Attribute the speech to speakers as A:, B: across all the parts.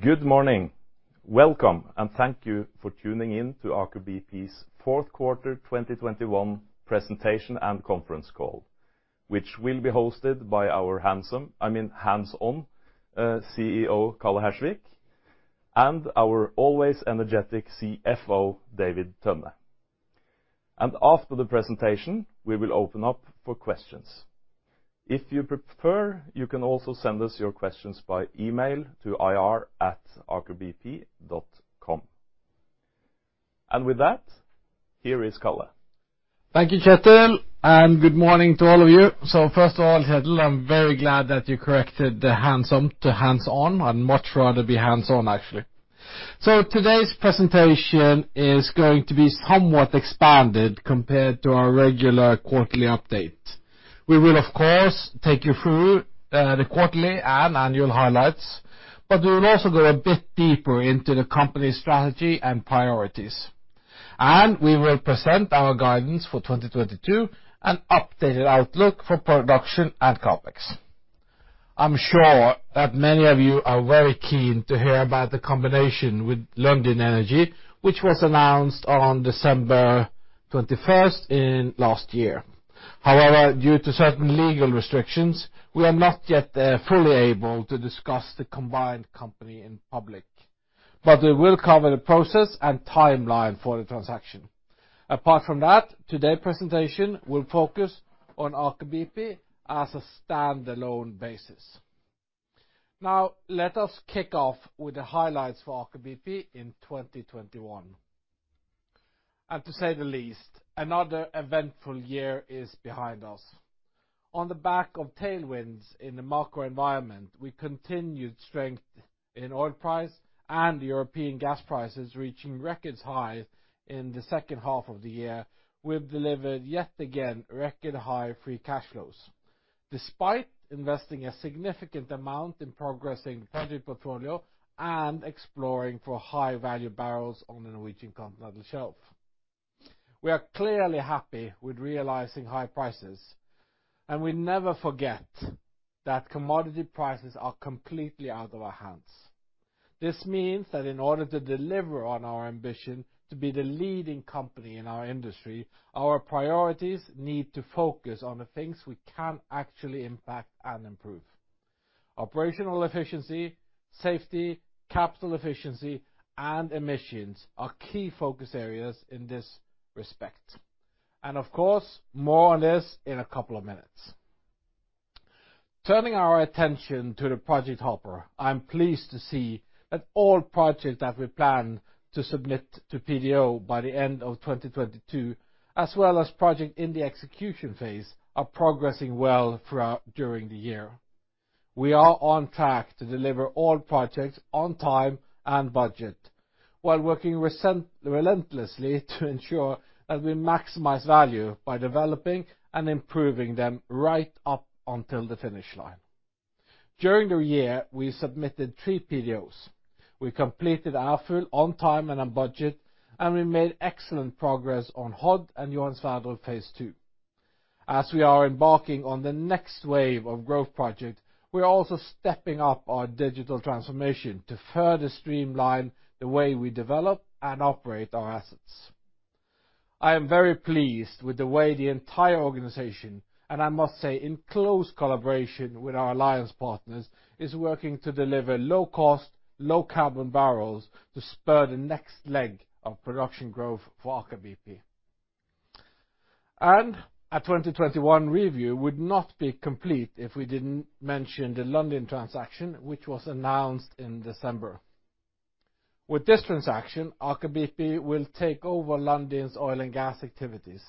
A: Good morning. Welcome and thank you for tuning in to Aker BP's fourth quarter 2021 presentation and conference call, which will be hosted by our hands-on CEO, Karl Johnny Hersvik, and our always energetic CFO, David Tønne. After the presentation, we will open up for questions. If you prefer, you can also send us your questions by email to ir@akerbp.com. With that, here is Karl Johnny Hersvik.
B: Thank you, Kjetil, and good morning to all of you. First of all, Kjetil, I'm very glad that you corrected the handsome to hands-on. I'd much rather be hands-on, actually. Today's presentation is going to be somewhat expanded compared to our regular quarterly update. We will, of course, take you through the quarterly and annual highlights, but we will also go a bit deeper into the company's strategy and priorities. We will present our guidance for 2022 and an updated outlook for production and CapEx. I'm sure that many of you are very keen to hear about the combination with Lundin Energy, which was announced on December 21 last year. However, due to certain legal restrictions, we are not yet fully able to discuss the combined company in public. We will cover the process and timeline for the transaction. Apart from that, today's presentation will focus on Aker BP as a standalone basis. Now, let us kick off with the highlights for Aker BP in 2021. To say the least, another eventful year is behind us. On the back of tailwinds in the macro environment, we continued strength in oil price and European gas prices reaching record highs in the second half of the year, we've delivered yet again record high free cash flows, despite investing a significant amount in progressing the project portfolio and exploring for high value barrels on the Norwegian Continental Shelf. We are clearly happy with realizing high prices, and we never forget that commodity prices are completely out of our hands. This means that in order to deliver on our ambition to be the leading company in our industry, our priorities need to focus on the things we can actually impact and improve. Operational efficiency, safety, capital efficiency, and emissions are key focus areas in this respect. Of course, more on this in a couple of minutes. Turning our attention to the project portfolio, I'm pleased to see that all projects that we plan to submit to PDO by the end of 2022, as well as projects in the execution phase, are progressing well throughout the year. We are on track to deliver all projects on time and budget while working relentlessly to ensure that we maximize value by developing and improving them right up until the finish line. During the year, we submitted three PDOs. We completed Alvheim on time and on budget, and we made excellent progress on Hod and Johan Sverdrup Phase two. As we are embarking on the next wave of growth projects, we are also stepping up our digital transformation to further streamline the way we develop and operate our assets. I am very pleased with the way the entire organization, and I must say in close collaboration with our alliance partners, is working to deliver low cost, low carbon barrels to spur the next leg of production growth for Aker BP. A 2021 review would not be complete if we didn't mention the Lundin transaction, which was announced in December. With this transaction, Aker BP will take over Lundin's oil and gas activities.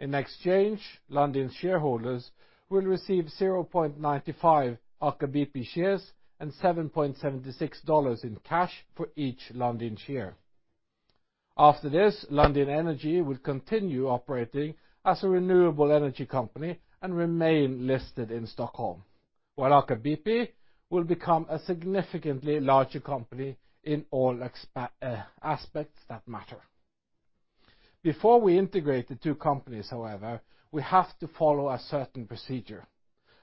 B: In exchange, Lundin shareholders will receive 0.95 Aker BP shares and $7.76 in cash for each Lundin share. After this, Lundin Energy will continue operating as a renewable energy company and remain listed in Stockholm, while Aker BP will become a significantly larger company in all aspects that matter. Before we integrate the two companies, however, we have to follow a certain procedure,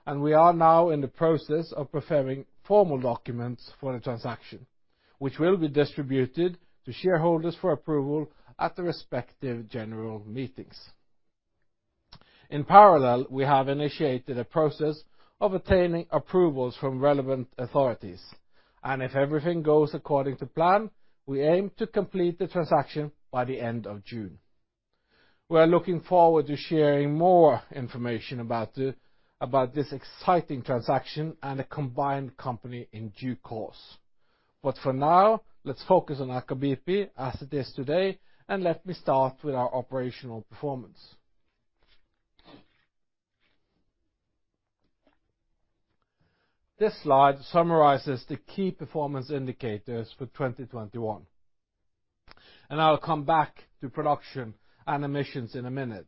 B: and we are now in the process of preparing formal documents for the transaction, which will be distributed to shareholders for approval at the respective general meetings. In parallel, we have initiated a process of obtaining approvals from relevant authorities, and if everything goes according to plan, we aim to complete the transaction by the end of June. We are looking forward to sharing more information about this exciting transaction and a combined company in due course. For now, let's focus on Aker BP as it is today, and let me start with our operational performance. This slide summarizes the key performance indicators for 2021. I'll come back to production and emissions in a minute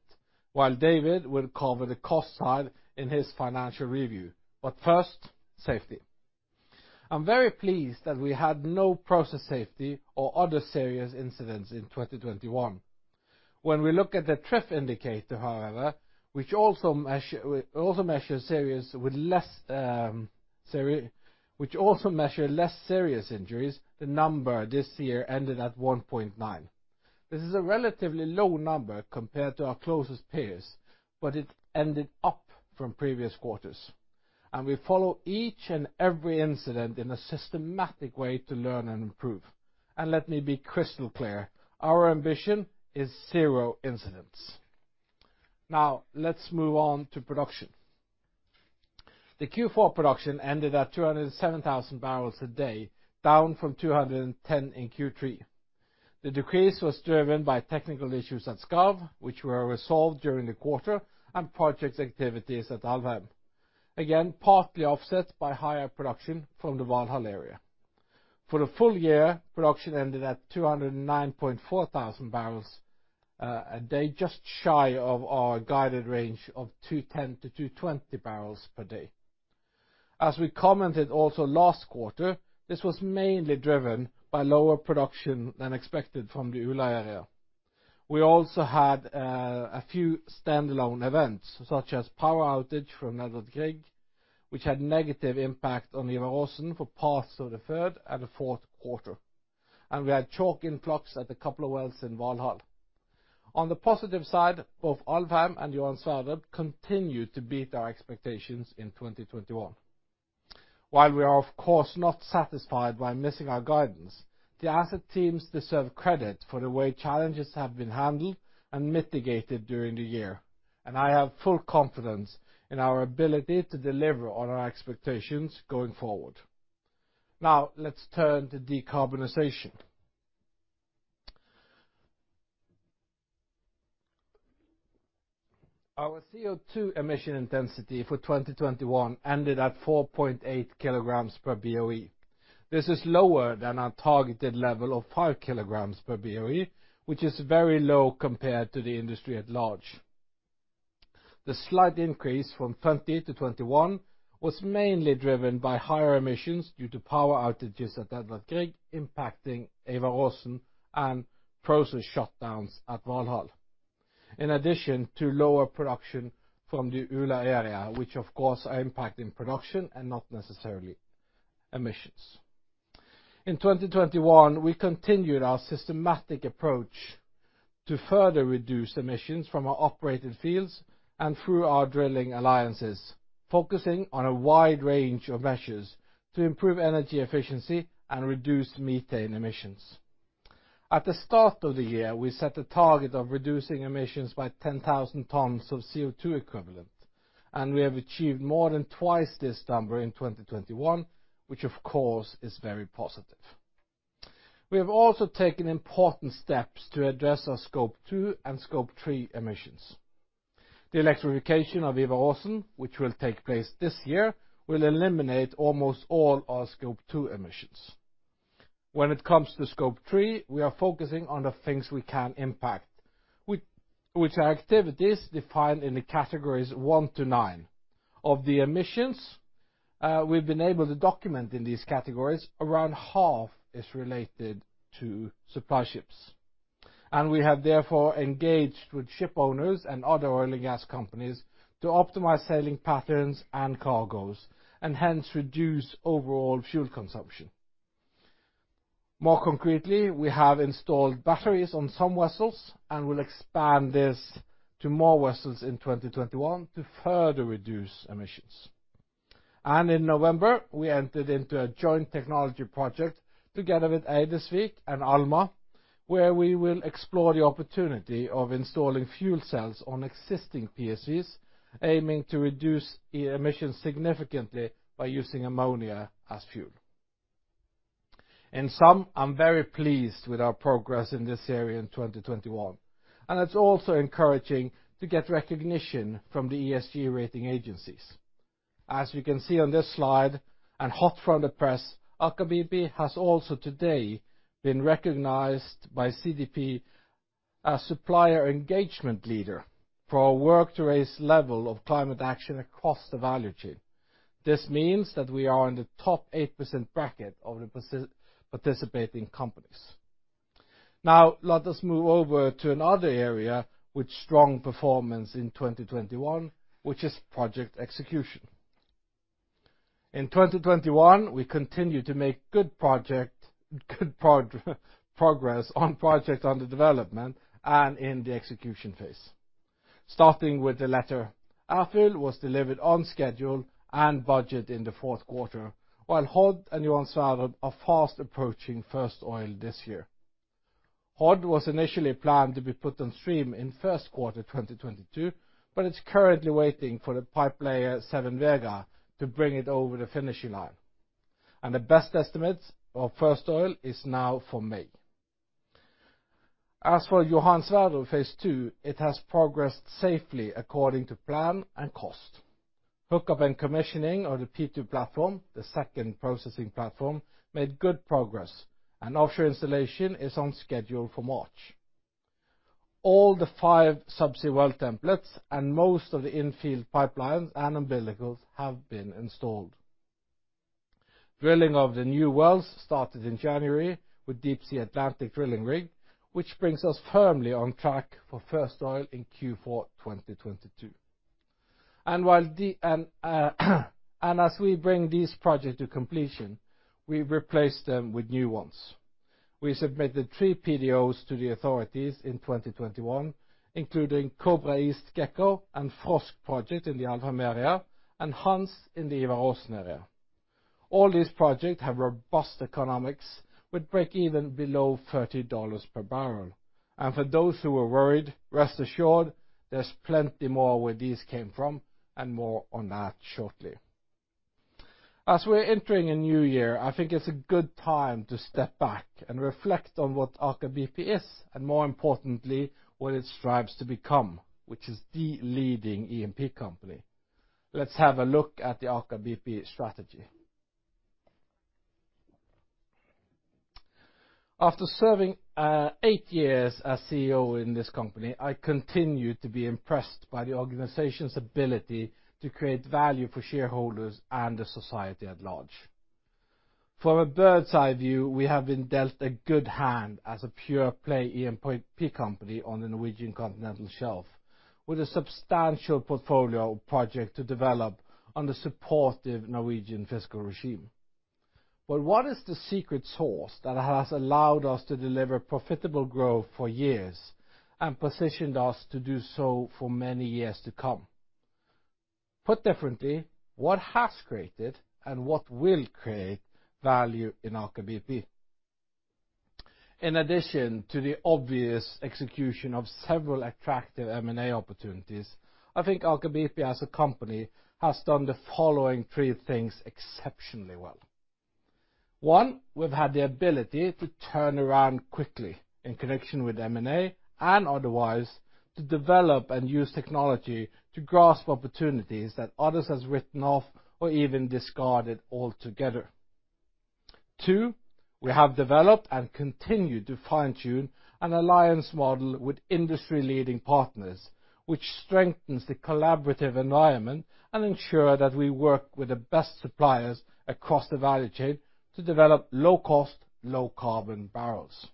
B: while David will cover the cost side in his financial review. First, safety. I'm very pleased that we had no process safety or other serious incidents in 2021. When we look at the TRIF indicator, however, which also measures less serious injuries, the number this year ended at 1.9. This is a relatively low number compared to our closest peers, but it ended up from previous quarters. We follow each and every incident in a systematic way to learn and improve. Let me be crystal clear, our ambition is zero incidents. Now let's move on to production. The Q4 production ended at 207,000 barrels a day, down from 210 in Q3. The decrease was driven by technical issues at Skarv, which were resolved during the quarter and project activities at Alvheim. Again, partly offset by higher production from the Valhall area. For the full year, production ended at 209.4 thousand barrels a day, just shy of our guided range of 210-220 barrels per day. As we commented also last quarter, this was mainly driven by lower production than expected from the Ula area. We also had a few standalone events, such as power outage from Edvard Grieg, which had negative impact on Ivar Aasen for parts of the third and fourth quarter. We had chalk influx at a couple of wells in Valhall. On the positive side, both Alvheim and Johan Sverdrup continued to beat our expectations in 2021. While we are of course not satisfied by missing our guidance, the asset teams deserve credit for the way challenges have been handled and mitigated during the year. I have full confidence in our ability to deliver on our expectations going forward. Now let's turn to decarbonization. Our CO2 emission intensity for 2021 ended at 4.8 kilograms per BOE. This is lower than our targeted level of five kilograms per BOE, which is very low compared to the industry at large. The slight increase from 2020 to 2021 was mainly driven by higher emissions due to power outages at Edvard Grieg impacting Ivar Aasen and process shutdowns at Valhall. In addition to lower production from the Ula area, which of course are impacting production and not necessarily emissions. In 2021, we continued our systematic approach to further reduce emissions from our operated fields and through our drilling alliances, focusing on a wide range of measures to improve energy efficiency and reduce methane emissions. At the start of the year, we set a target of reducing emissions by 10,000 tons of CO2 equivalent, and we have achieved more than twice this number in 2021, which of course is very positive. We have also taken important steps to address our Scope 2 and Scope 3 emissions. The electrification of Ivar Aasen, which will take place this year, will eliminate almost all our Scope 2 emissions. When it comes to Scope 3, we are focusing on the things we can impact, which are activities defined in the categories 1 to 9. Of the emissions, we've been able to document in these categories, around half is related to supply ships. We have therefore engaged with ship owners and other oil and gas companies to optimize sailing patterns and cargoes, and hence reduce overall fuel consumption. More concretely, we have installed batteries on some vessels and will expand this to more vessels in 2021 to further reduce emissions. In November, we entered into a joint technology project together with Eidesvik and Alma, where we will explore the opportunity of installing fuel cells on existing PSVs, aiming to reduce emissions significantly by using ammonia as fuel. In sum, I'm very pleased with our progress in this area in 2021, and it's also encouraging to get recognition from the ESG rating agencies. As you can see on this slide, hot from the press, Aker BP has also today been recognized by CDP as Supplier Engagement Leader for our work to raise level of climate action across the value chain. This means that we are in the top 8% bracket of the participating companies. Now let us move over to another area with strong performance in 2021, which is project execution. In 2021, we continued to make good progress on projects under development and in the execution phase. Starting with the latter, Alvheim was delivered on schedule and budget in the fourth quarter, while Hod and Johan Sverdrup are fast approaching first oil this year. Hod was initially planned to be put on stream in first quarter 2022, but it's currently waiting for the pipelayer Seven Vega to bring it over the finishing line. The best estimate of first oil is now for May. As for Johan Sverdrup, phase two, it has progressed safely according to plan and cost. Hookup and commissioning of the P2 platform, the second processing platform, made good progress, and offshore installation is on schedule for March. All the five subsea well templates and most of the infield pipelines and umbilicals have been installed. Drilling of the new wells started in January with Deepsea Atlantic drilling rig, which brings us firmly on track for first oil in Q4 2022. As we bring this project to completion, we replace them with new ones. We submitted three PDOs to the authorities in 2021, including Kobra East & Gekko and Frosk project in the Alvheim area, and Hans in the Ivar Aasen area. All these projects have robust economics with break-even below $30 per barrel. For those who are worried, rest assured, there's plenty more where these came from, and more on that shortly. As we're entering a new year, I think it's a good time to step back and reflect on what Aker BP is, and more importantly, what it strives to become, which is the leading E&P company. Let's have a look at the Aker BP strategy. After serving eight years as CEO in this company, I continue to be impressed by the organization's ability to create value for shareholders and the society at large. From a bird's-eye view, we have been dealt a good hand as a pure play E&P company on the Norwegian Continental Shelf, with a substantial portfolio of projects to develop on the supportive Norwegian fiscal regime. What is the secret sauce that has allowed us to deliver profitable growth for years and positioned us to do so for many years to come? Put differently, what has created and what will create value in Aker BP? In addition to the obvious execution of several attractive M&A opportunities, I think Aker BP as a company has done the following three things exceptionally well. One, we've had the ability to turn around quickly in connection with M&A and otherwise to develop and use technology to grasp opportunities that others have written off or even discarded altogether. Two, we have developed and continued to fine-tune an alliance model with industry-leading partners, which strengthens the collaborative environment and ensure that we work with the best suppliers across the value chain to develop low-cost, low-carbon barrels.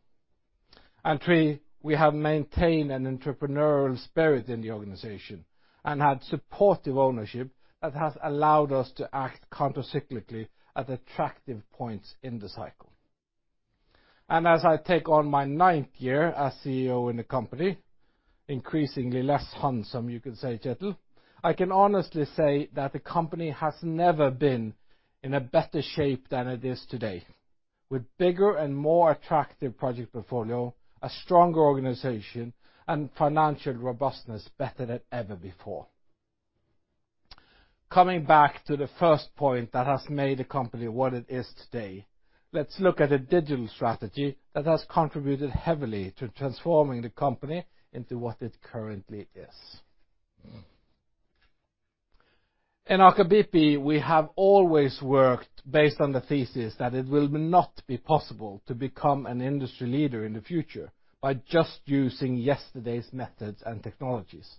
B: Three, we have maintained an entrepreneurial spirit in the organization and had supportive ownership that has allowed us to act countercyclically at attractive points in the cycle. As I take on my ninth year as CEO in the company, increasingly less handsome, you could say, Kjetil, I can honestly say that the company has never been in a better shape than it is today, with bigger and more attractive project portfolio, a stronger organization, and financial robustness better than ever before. Coming back to the first point that has made the company what it is today, let's look at the digital strategy that has contributed heavily to transforming the company into what it currently is. In Aker BP, we have always worked based on the thesis that it will not be possible to become an industry leader in the future by just using yesterday's methods and technologies.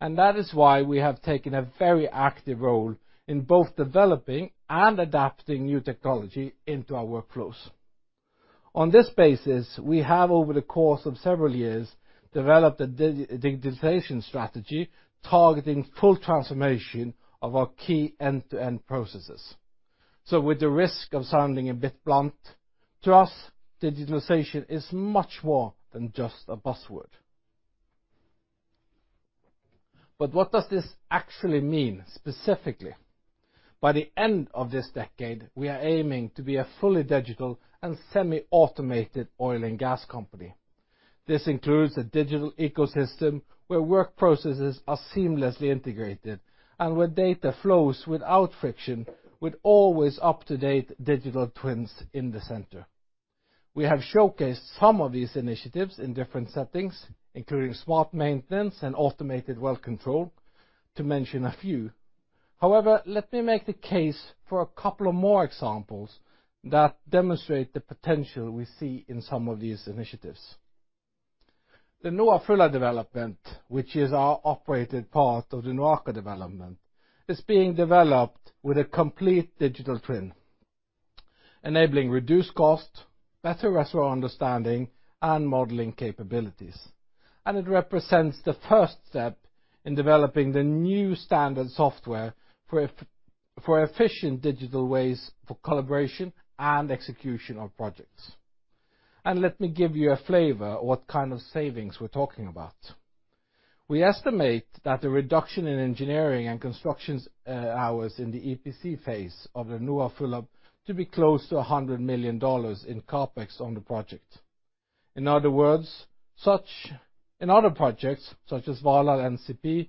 B: That is why we have taken a very active role in both developing and adapting new technology into our workflows. On this basis, we have, over the course of several years, developed a digitization strategy targeting full transformation of our key end-to-end processes. With the risk of sounding a bit blunt, to us, digitalization is much more than just a buzzword. What does this actually mean specifically? By the end of this decade, we are aiming to be a fully digital and semi-automated oil and gas company. This includes a digital ecosystem where work processes are seamlessly integrated and where data flows without friction, with always up-to-date digital twins in the center. We have showcased some of these initiatives in different settings, including smart maintenance and automated well control, to mention a few. However, let me make the case for a couple of more examples that demonstrate the potential we see in some of these initiatives. The NOA Fulla development, which is our operated part of the NOAKA development, is being developed with a complete digital twin, enabling reduced cost, better reservoir understanding, and modeling capabilities. It represents the first step in developing the new standard software for efficient digital ways for collaboration and execution of projects. Let me give you a flavor what kind of savings we're talking about. We estimate that the reduction in engineering and constructions hours in the EPC phase of the NOA Fulla to be close to $100 million in CapEx on the project. In other words, in other projects, such as Valhall NCP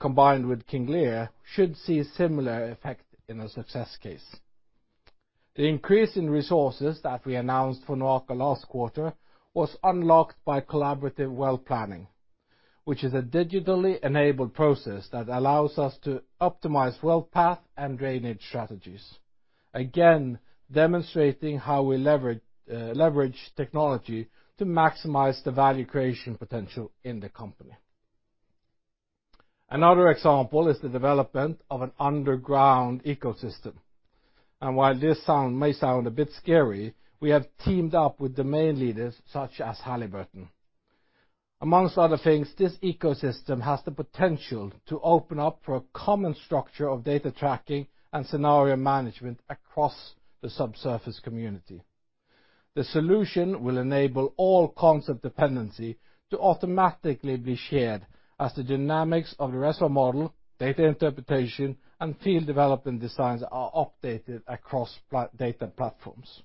B: combined with King Lear, should see similar effect in a success case. The increase in resources that we announced for NOAKA last quarter was unlocked by collaborative well planning, which is a digitally enabled process that allows us to optimize well path and drainage strategies. Again, demonstrating how we leverage technology to maximize the value creation potential in the company. Another example is the development of an underground ecosystem. While this sounds a bit scary, we have teamed up with domain leaders such as Halliburton. Among other things, this ecosystem has the potential to open up for a common structure of data tracking and scenario management across the subsurface community. The solution will enable all concept dependency to automatically be shared as the dynamics of the reservoir model, data interpretation, and field development designs are updated across platform data platforms,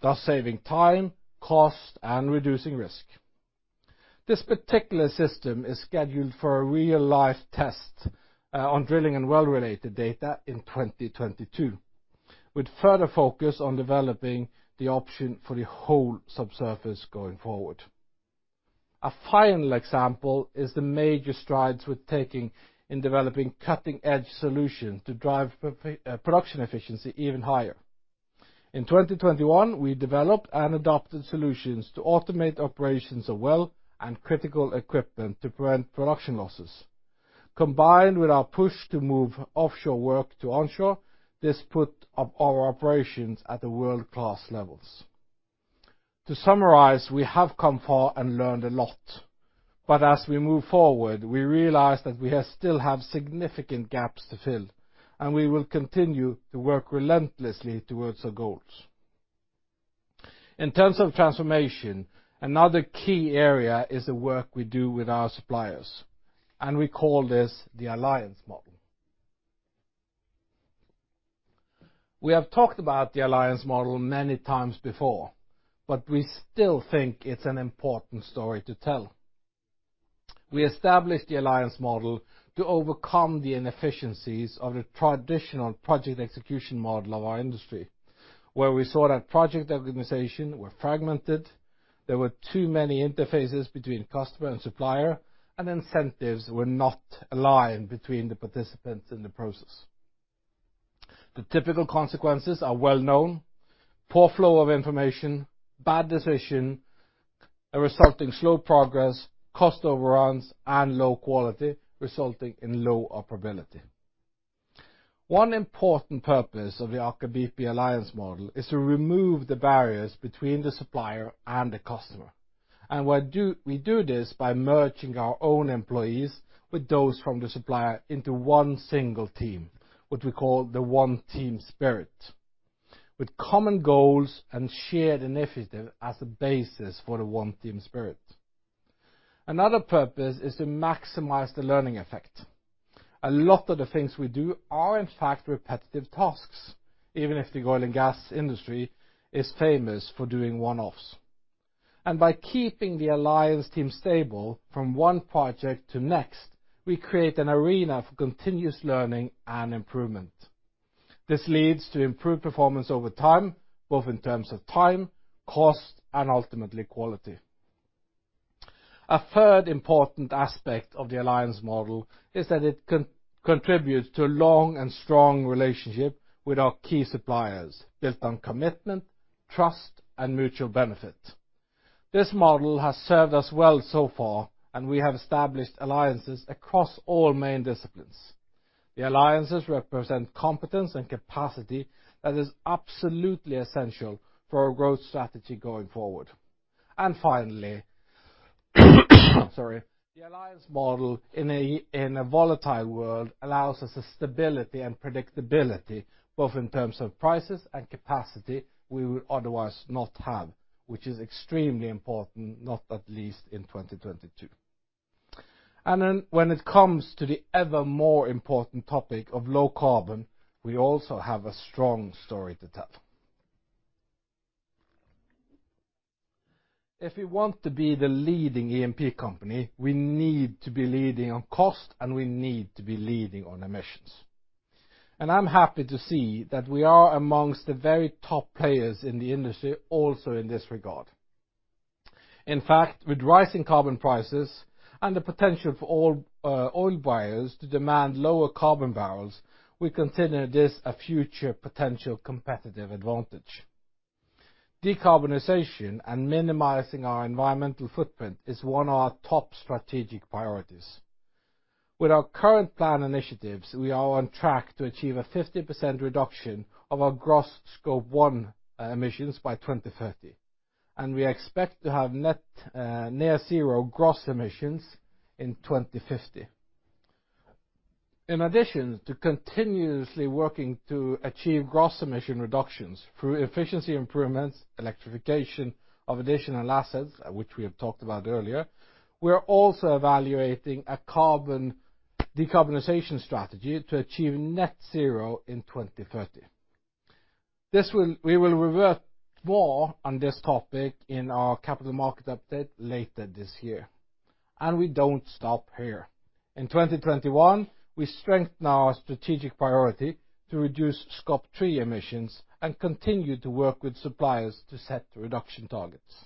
B: thus saving time, cost, and reducing risk. This particular system is scheduled for a real-life test on drilling and well-related data in 2022, with further focus on developing the option for the whole subsurface going forward. A final example is the major strides we're taking in developing cutting-edge solution to drive production efficiency even higher. In 2021, we developed and adopted solutions to automate operations of well and critical equipment to prevent production losses. Combined with our push to move offshore work to onshore, this put up our operations at the world-class levels. To summarize, we have come far and learned a lot, but as we move forward, we realize that we still have significant gaps to fill, and we will continue to work relentlessly towards our goals. In terms of transformation, another key area is the work we do with our suppliers, and we call this the alliance model. We have talked about the alliance model many times before, but we still think it's an important story to tell. We established the alliance model to overcome the inefficiencies of the traditional project execution model of our industry, where we saw that project organization were fragmented, there were too many interfaces between customer and supplier, and incentives were not aligned between the participants in the process. The typical consequences are well known. Poor flow of information, bad decision, resulting slow progress, cost overruns, and low quality, resulting in low operability. One important purpose of the Aker BP alliance model is to remove the barriers between the supplier and the customer. We do this by merging our own employees with those from the supplier into one single team, what we call the one team spirit, with common goals and shared initiative as a basis for the one team spirit. Another purpose is to maximize the learning effect. A lot of the things we do are, in fact, repetitive tasks, even if the oil and gas industry is famous for doing one-offs. By keeping the alliance team stable from one project to next, we create an arena for continuous learning and improvement. This leads to improved performance over time, both in terms of time, cost, and ultimately quality. A third important aspect of the alliance model is that it contributes to long and strong relationship with our key suppliers built on commitment, trust, and mutual benefit. This model has served us well so far, and we have established alliances across all main disciplines. The alliances represent competence and capacity that is absolutely essential for our growth strategy going forward. Finally, sorry. The alliance model in a volatile world allows us a stability and predictability, both in terms of prices and capacity we would otherwise not have, which is extremely important, not least in 2022. When it comes to the ever more important topic of low carbon, we also have a strong story to tell. If we want to be the leading EMP company, we need to be leading on cost, and we need to be leading on emissions. I'm happy to see that we are among the very top players in the industry also in this regard. In fact, with rising carbon prices and the potential for oil buyers to demand lower carbon barrels, we consider this a future potential competitive advantage. Decarbonization and minimizing our environmental footprint is one of our top strategic priorities. With our current plan initiatives, we are on track to achieve a 50% reduction of our gross Scope 1 emissions by 2030. We expect to have net near zero gross emissions in 2050. In addition to continuously working to achieve gross emission reductions through efficiency improvements, electrification of additional assets, which we have talked about earlier, we are also evaluating a carbon-decarbonization strategy to achieve net zero in 2030. We will revert more on this topic in our capital market update later this year. We don't stop here. In 2021, we strengthened our strategic priority to reduce Scope 3 emissions and continued to work with suppliers to set reduction targets.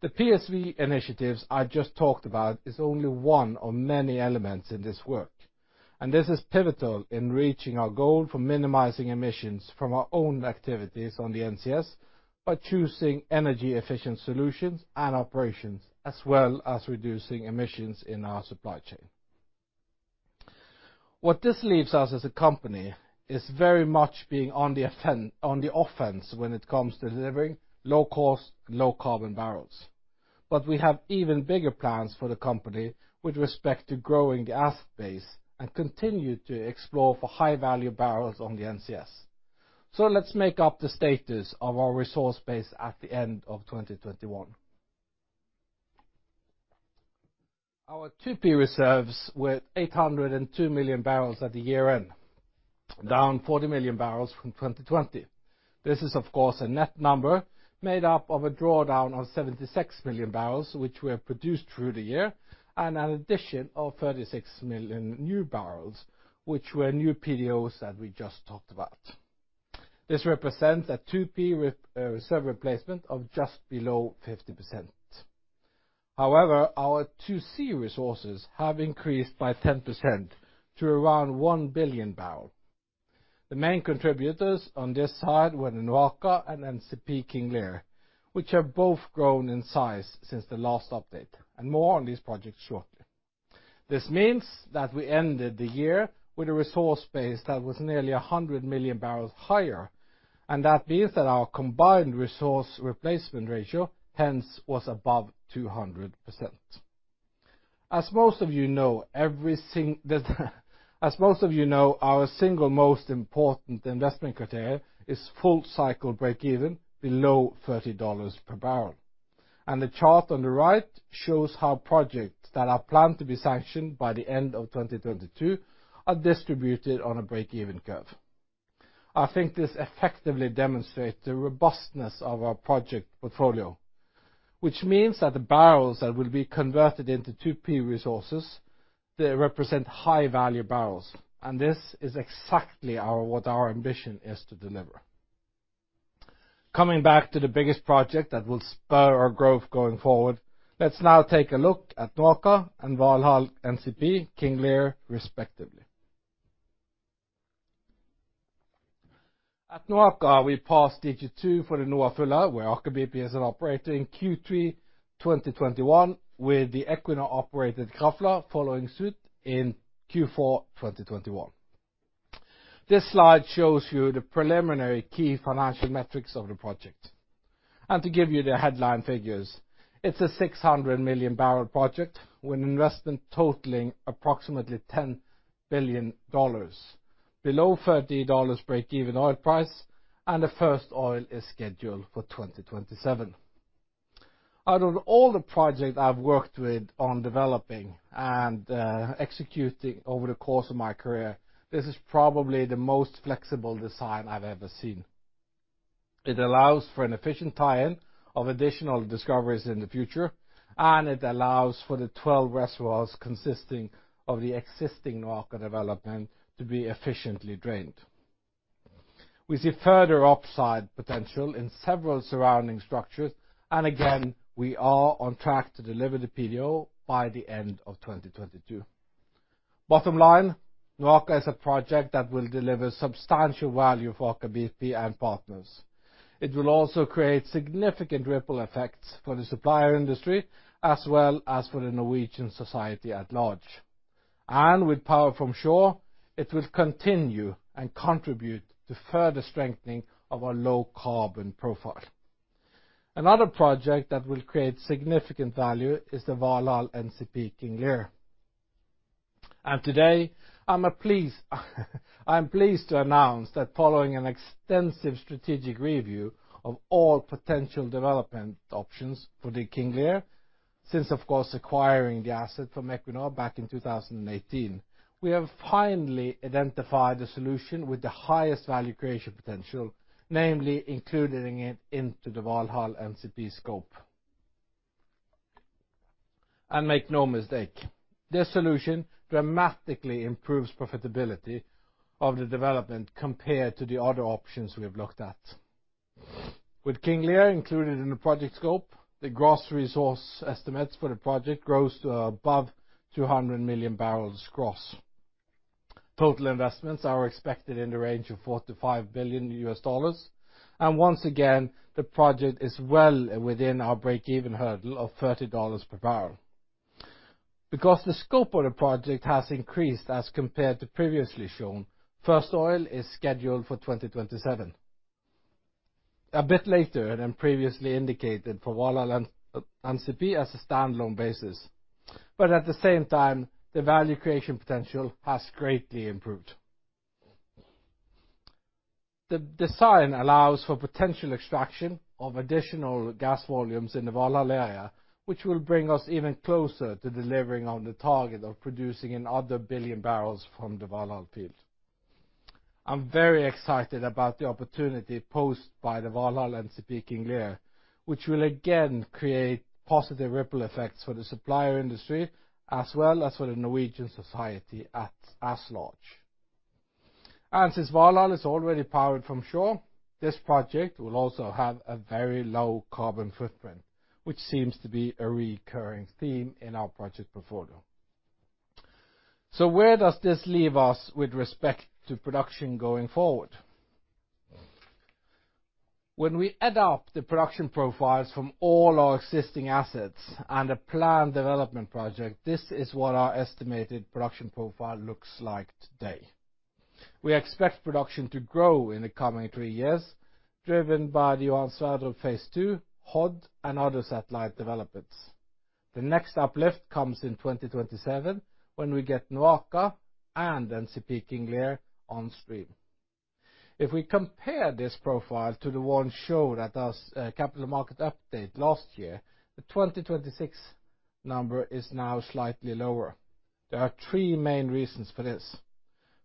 B: The PSV initiatives I just talked about is only one of many elements in this work, and this is pivotal in reaching our goal for minimizing emissions from our own activities on the NCS by choosing energy efficient solutions and operations, as well as reducing emissions in our supply chain. What this leaves us as a company is very much being on the offense when it comes to delivering low cost, low carbon barrels. We have even bigger plans for the company with respect to growing the asset base and continue to explore for high value barrels on the NCS. Let's make up the status of our resource base at the end of 2021. Our 2P reserves with 802 million barrels at year-end, down 40 million barrels from 2020. This is of course a net number made up of a drawdown of 76 million barrels, which were produced through the year, and an addition of 36 million new barrels, which were new PDOs that we just talked about. This represents a 2P with reserve replacement of just below 50%. However, our 2C resources have increased by 10% to around 1 billion barrels. The main contributors on this side were the NOAKA and NCP and King Lear, which have both grown in size since the last update, and more on these projects shortly. This means that we ended the year with a resource base that was nearly 100 million barrels higher, and that means that our combined resource replacement ratio hence was above 200%. As most of you know, our single most important investment criteria is full cycle break-even below $30 per barrel. The chart on the right shows how projects that are planned to be sanctioned by the end of 2022 are distributed on a break-even curve. I think this effectively demonstrates the robustness of our project portfolio, which means that the barrels that will be converted into 2P resources, they represent high value barrels, and this is exactly our, what our ambition is to deliver. Coming back to the biggest project that will spur our growth going forward, let's now take a look at NOAKA and Valhall NCP, King Lear respectively. At NOAKA, we passed DG2 for the NOA Fulla, where Aker BP is an operator in Q3 2021, with the Equinor operated Krafla following suit in Q4 2021. This slide shows you the preliminary key financial metrics of the project. To give you the headline figures, it's a 600 million-barrel project with investment totaling approximately $10 billion, below $30 break-even oil price, and the first oil is scheduled for 2027. Out of all the projects I've worked with on developing and executing over the course of my career, this is probably the most flexible design I've ever seen. It allows for an efficient tie-in of additional discoveries in the future, and it allows for the 12 reservoirs consisting of the existing NOAKA development to be efficiently drained. We see further upside potential in several surrounding structures. Again, we are on track to deliver the PDO by the end of 2022. Bottom line, NOAKA is a project that will deliver substantial value for Aker BP and partners. It will also create significant ripple effects for the supplier industry as well as for the Norwegian society at large. With power from shore, it will continue and contribute to further strengthening of our low carbon profile. Another project that will create significant value is the Valhall NCP and King Lear. Today, I am pleased to announce that following an extensive strategic review of all potential development options for the King Lear, since of course acquiring the asset from Equinor back in 2018, we have finally identified the solution with the highest value creation potential, namely including it into the Valhall NCP scope. Make no mistake, this solution dramatically improves profitability of the development compared to the other options we have looked at. With King Lear included in the project scope, the gross resource estimates for the project grows to above 200 million barrels gross. Total investments are expected in the range of $45 billion. Once again, the project is well within our break-even hurdle of $30 per barrel. Because the scope of the project has increased as compared to previously shown, first oil is scheduled for 2027, a bit later than previously indicated for Valhall NCP as a standalone basis. At the same time, the value creation potential has greatly improved. The design allows for potential extraction of additional gas volumes in the Valhall area, which will bring us even closer to delivering on the target of producing another 1 billion barrels from the Valhall field. I'm very excited about the opportunity posed by the Valhall NCP and King Lear, which will again create positive ripple effects for the supplier industry as well as for the Norwegian society at large. Since Valhall is already powered from shore, this project will also have a very low carbon footprint, which seems to be a recurring theme in our project portfolio. Where does this leave us with respect to production going forward? When we add up the production profiles from all our existing assets and a planned development project, this is what our estimated production profile looks like today. We expect production to grow in the coming three years, driven by the Johan Sverdrup Phase Two, Hod, and other satellite developments. The next uplift comes in 2027 when we get NOAKA and NCP and King Lear on stream. If we compare this profile to the one shown at our capital market update last year, the 2026 number is now slightly lower. There are three main reasons for this.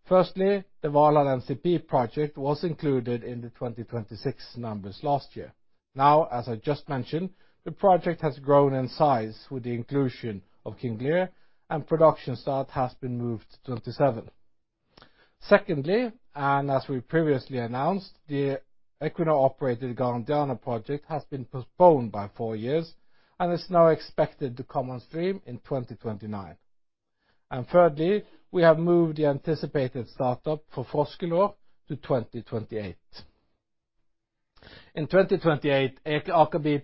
B: Firstly, the Valhall NCP project was included in the 2026 numbers last year. Now, as I just mentioned, the project has grown in size with the inclusion of King Lear, and production start has been moved to 2027. Secondly, as we previously announced, the Equinor operated Garantiana project has been postponed by four years and is now expected to come on stream in 2029. Thirdly, we have moved the anticipated startup for Frosk to 2028. In 2028, Aker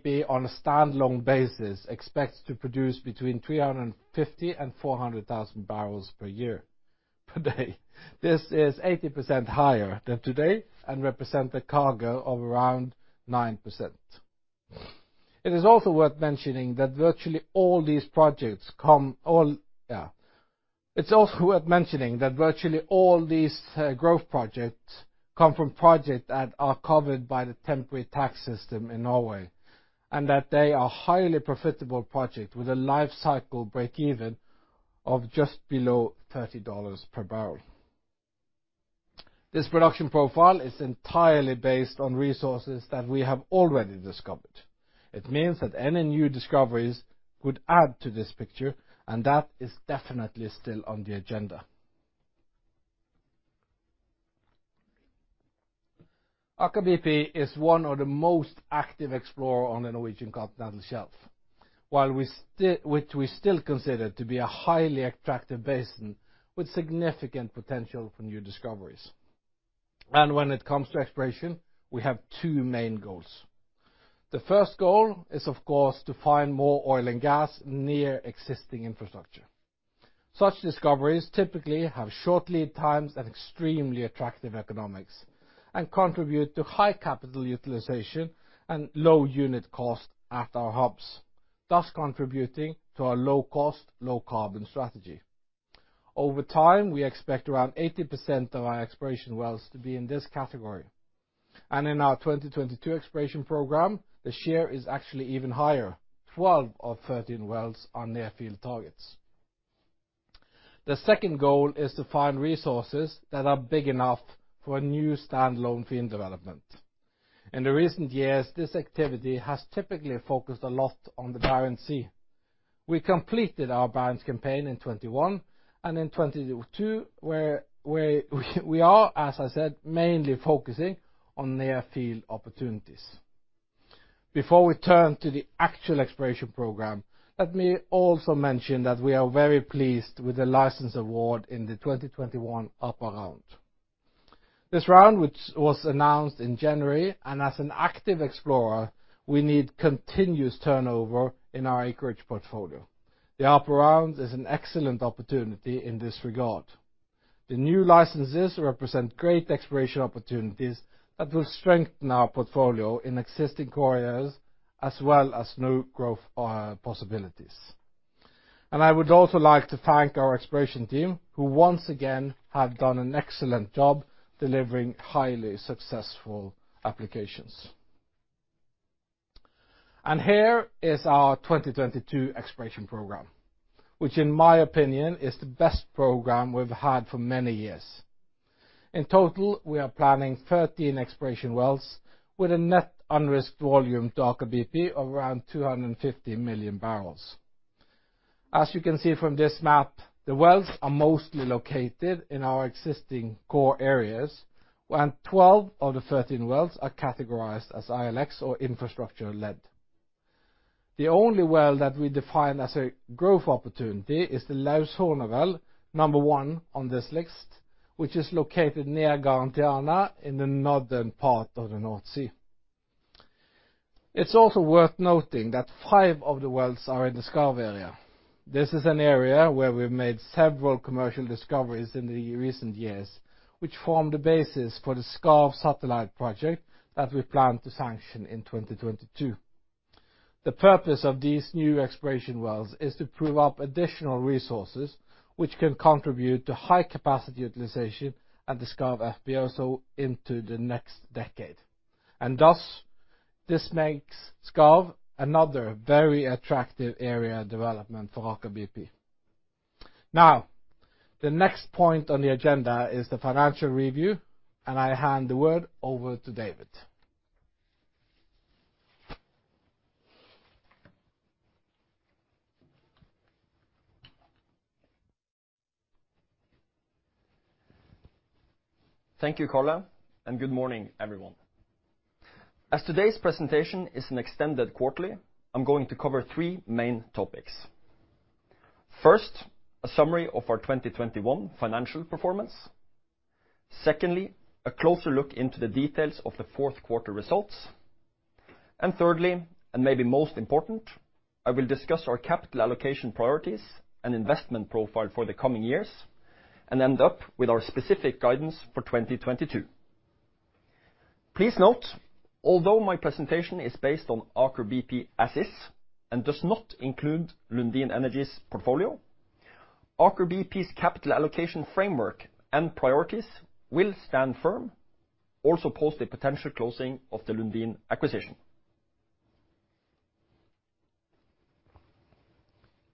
B: BP, on a stand-alone basis, expects to produce between 350 and 400 thousand barrels per day. This is 80% higher than today and represents the growth of around 9%. It is also worth mentioning that virtually all these growth projects come from projects that are covered by the temporary tax system in Norway, and that they are highly profitable projects with a life cycle breakeven of just below $30 per barrel. This production profile is entirely based on resources that we have already discovered. It means that any new discoveries would add to this picture, and that is definitely still on the agenda. Aker BP is one of the most active explorer on the Norwegian Continental Shelf which we still consider to be a highly attractive basin with significant potential for new discoveries. When it comes to exploration, we have two main goals. The first goal is, of course, to find more oil and gas near existing infrastructure. Such discoveries typically have short lead times and extremely attractive economics, and contribute to high capital utilization and low unit cost at our hubs, thus contributing to our low cost, low carbon strategy. Over time, we expect around 80% of our exploration wells to be in this category. In our 2022 exploration program, the share is actually even higher. Twelve of thirteen wells are near field targets. The second goal is to find resources that are big enough for a new standalone field development. In recent years, this activity has typically focused a lot on the Barents Sea. We completed our Barents campaign in 2021, and in 2022, as I said, mainly focusing on near field opportunities. Before we turn to the actual exploration program, let me also mention that we are very pleased with the license award in the 2021 APA round. This round, which was announced in January, and as an active explorer, we need continuous turnover in our acreage portfolio. The APA round is an excellent opportunity in this regard. The new licenses represent great exploration opportunities that will strengthen our portfolio in existing corridors as well as new growth possibilities. I would also like to thank our exploration team who once again have done an excellent job delivering highly successful applications. Here is our 2022 exploration program, which in my opinion, is the best program we've had for many years. In total, we are planning 13 exploration wells with a net unrisked volume to Aker BP of around 250 million barrels. As you can see from this map, the wells are mostly located in our existing core areas, and 12 of the 13 wells are categorized as ILX or infrastructure-led. The only well that we define as a growth opportunity is the Laushorna well, number 1 on this list, which is located near Garantiana in the northern part of the North Sea. It's also worth noting that five of the wells are in the Skarv area. This is an area where we've made several commercial discoveries in recent years, which form the basis for the Skarv satellite project that we plan to sanction in 2022. The purpose of these new exploration wells is to prove up additional resources which can contribute to high capacity utilization at the Skarv FPSO into the next decade. This makes Skarv another very attractive area development for Aker BP. Now, the next point on the agenda is the financial review, and I hand the word over to David Tønne.
C: Thank you, Karl, and good morning, everyone. As today's presentation is an extended quarterly, I'm going to cover three main topics. First, a summary of our 2021 financial performance. Secondly, a closer look into the details of the fourth quarter results. Thirdly, and maybe most important, I will discuss our capital allocation priorities and investment profile for the coming years and end up with our specific guidance for 2022. Please note, although my presentation is based on Aker BP as is and does not include Lundin Energy's portfolio, Aker BP's capital allocation framework and priorities will stand firm also post the potential closing of the Lundin acquisition.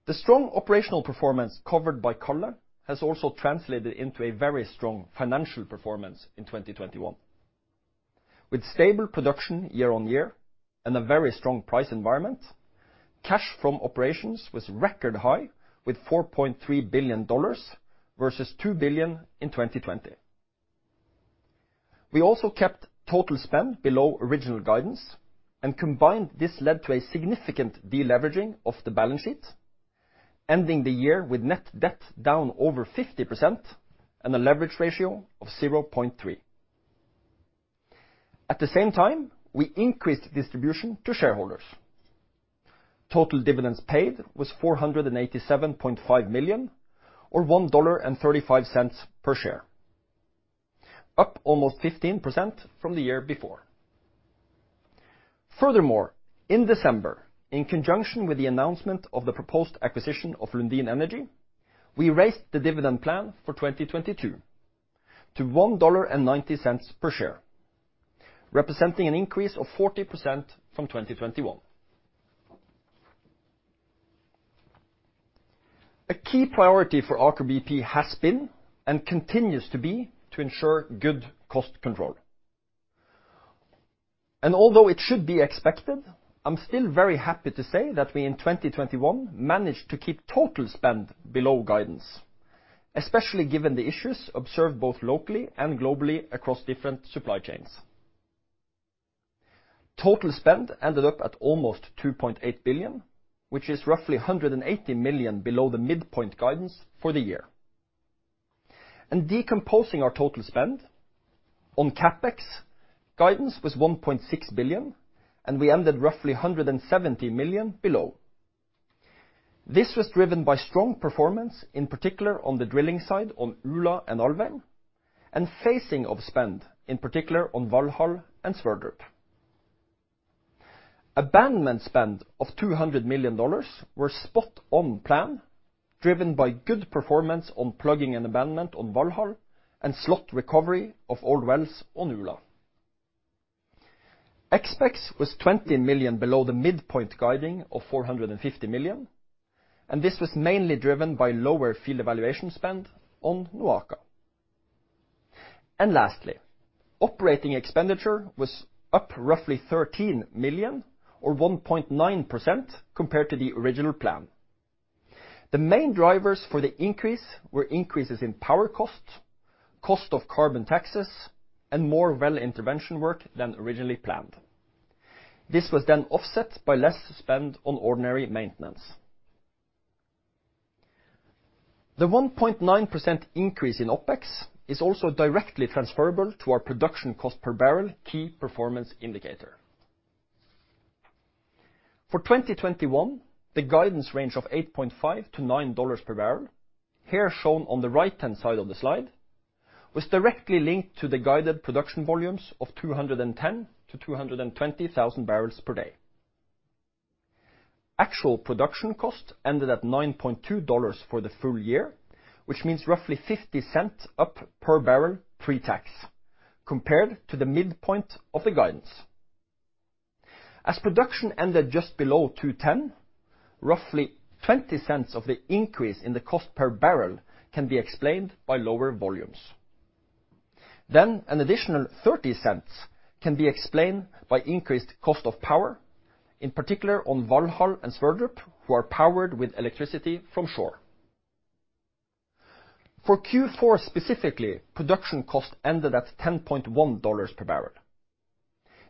C: The strong operational performance covered by Karl has also translated into a very strong financial performance in 2021. With stable production year on year and a very strong price environment, cash from operations was record high with $4.3 billion versus $2 billion in 2020. We also kept total spend below original guidance and combined this led to a significant deleveraging of the balance sheet, ending the year with net debt down over 50% and a leverage ratio of 0.3. At the same time, we increased distribution to shareholders. Total dividends paid was $487.5 million or $1.35 per share, up almost 15% from the year before. Furthermore, in December, in conjunction with the announcement of the proposed acquisition of Lundin Energy, we raised the dividend plan for 2022 to $1.90 per share, representing an increase of 40% from 2021. A key priority for Aker BP has been, and continues to be, to ensure good cost control. Although it should be expected, I'm still very happy to say that we in 2021 managed to keep total spend below guidance, especially given the issues observed both locally and globally across different supply chains. Total spend ended up at almost $2.8 billion, which is roughly $180 million below the midpoint guidance for the year. Decomposing our total spend on CapEx, guidance was $1.6 billion, and we ended roughly $170 million below. This was driven by strong performance, in particular on the drilling side on Ula and Alvheim, and phasing of spend, in particular on Valhall and Sverdrup. Abandonment spend of $200 million were spot on plan, driven by good performance on plugging and abandonment on Valhall and slot recovery of old wells on Ula. Expex was $20 million below the midpoint guiding of $450 million, and this was mainly driven by lower field evaluation spend on NOAKA. Lastly, operating expenditure was up roughly $13 million or 1.9% compared to the original plan. The main drivers for the increase were increases in power cost of carbon taxes, and more well intervention work than originally planned. This was then offset by less spend on ordinary maintenance. The 1.9% increase in Opex is also directly transferable to our production cost per barrel key performance indicator. For 2021, the guidance range of $8.5-$9 per barrel, here shown on the right-hand side of the slide, was directly linked to the guided production volumes of 210,000-220,000 barrels per day. Actual production cost ended at $9.2 for the full year, which means roughly $0.50 up per barrel pre-tax compared to the midpoint of the guidance. As production ended just below 210,000, roughly $0.20 of the increase in the cost per barrel can be explained by lower volumes. Then an additional $0.30 can be explained by increased cost of power, in particular on Valhall and Sverdrup, who are powered with electricity from shore. For Q4 specifically, production cost ended at $10.1 per barrel.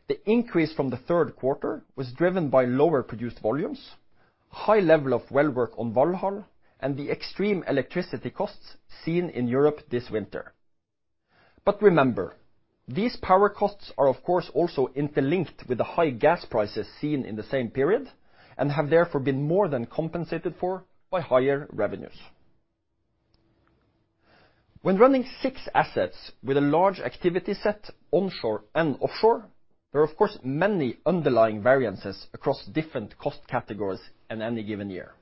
C: The increase from the third quarter was driven by lower produced volumes, high level of well work on Valhall, and the extreme electricity costs seen in Europe this winter. Remember, these power costs are of course also interlinked with the high gas prices seen in the same period and have therefore been more than compensated for by higher revenues. When running six assets with a large activity set onshore and offshore, there are of course many underlying variances across different cost categories in any given year.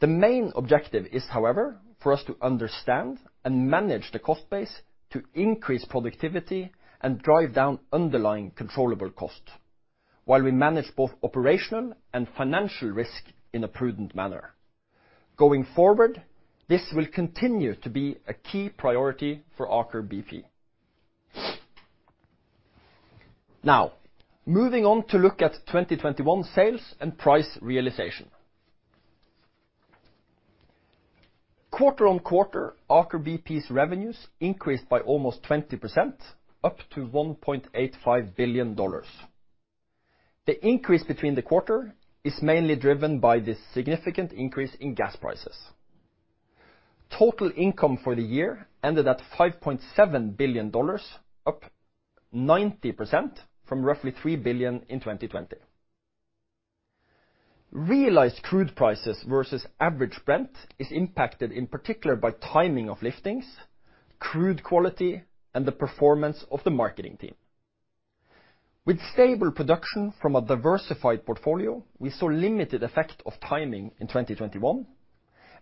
C: The main objective is, however, for us to understand and manage the cost base to increase productivity and drive down underlying controllable costs. While we manage both operational and financial risk in a prudent manner. Going forward, this will continue to be a key priority for Aker BP. Now, moving on to look at 2021 sales and price realization. Quarter-over-quarter, Aker BP's revenues increased by almost 20%, up to $1.85 billion. The increase between the quarter is mainly driven by the significant increase in gas prices. Total income for the year ended at $5.7 billion, up 90% from roughly $3 billion in 2020. Realized crude prices versus average Brent is impacted in particular by timing of liftings, crude quality, and the performance of the marketing team. With stable production from a diversified portfolio, we saw limited effect of timing in 2021,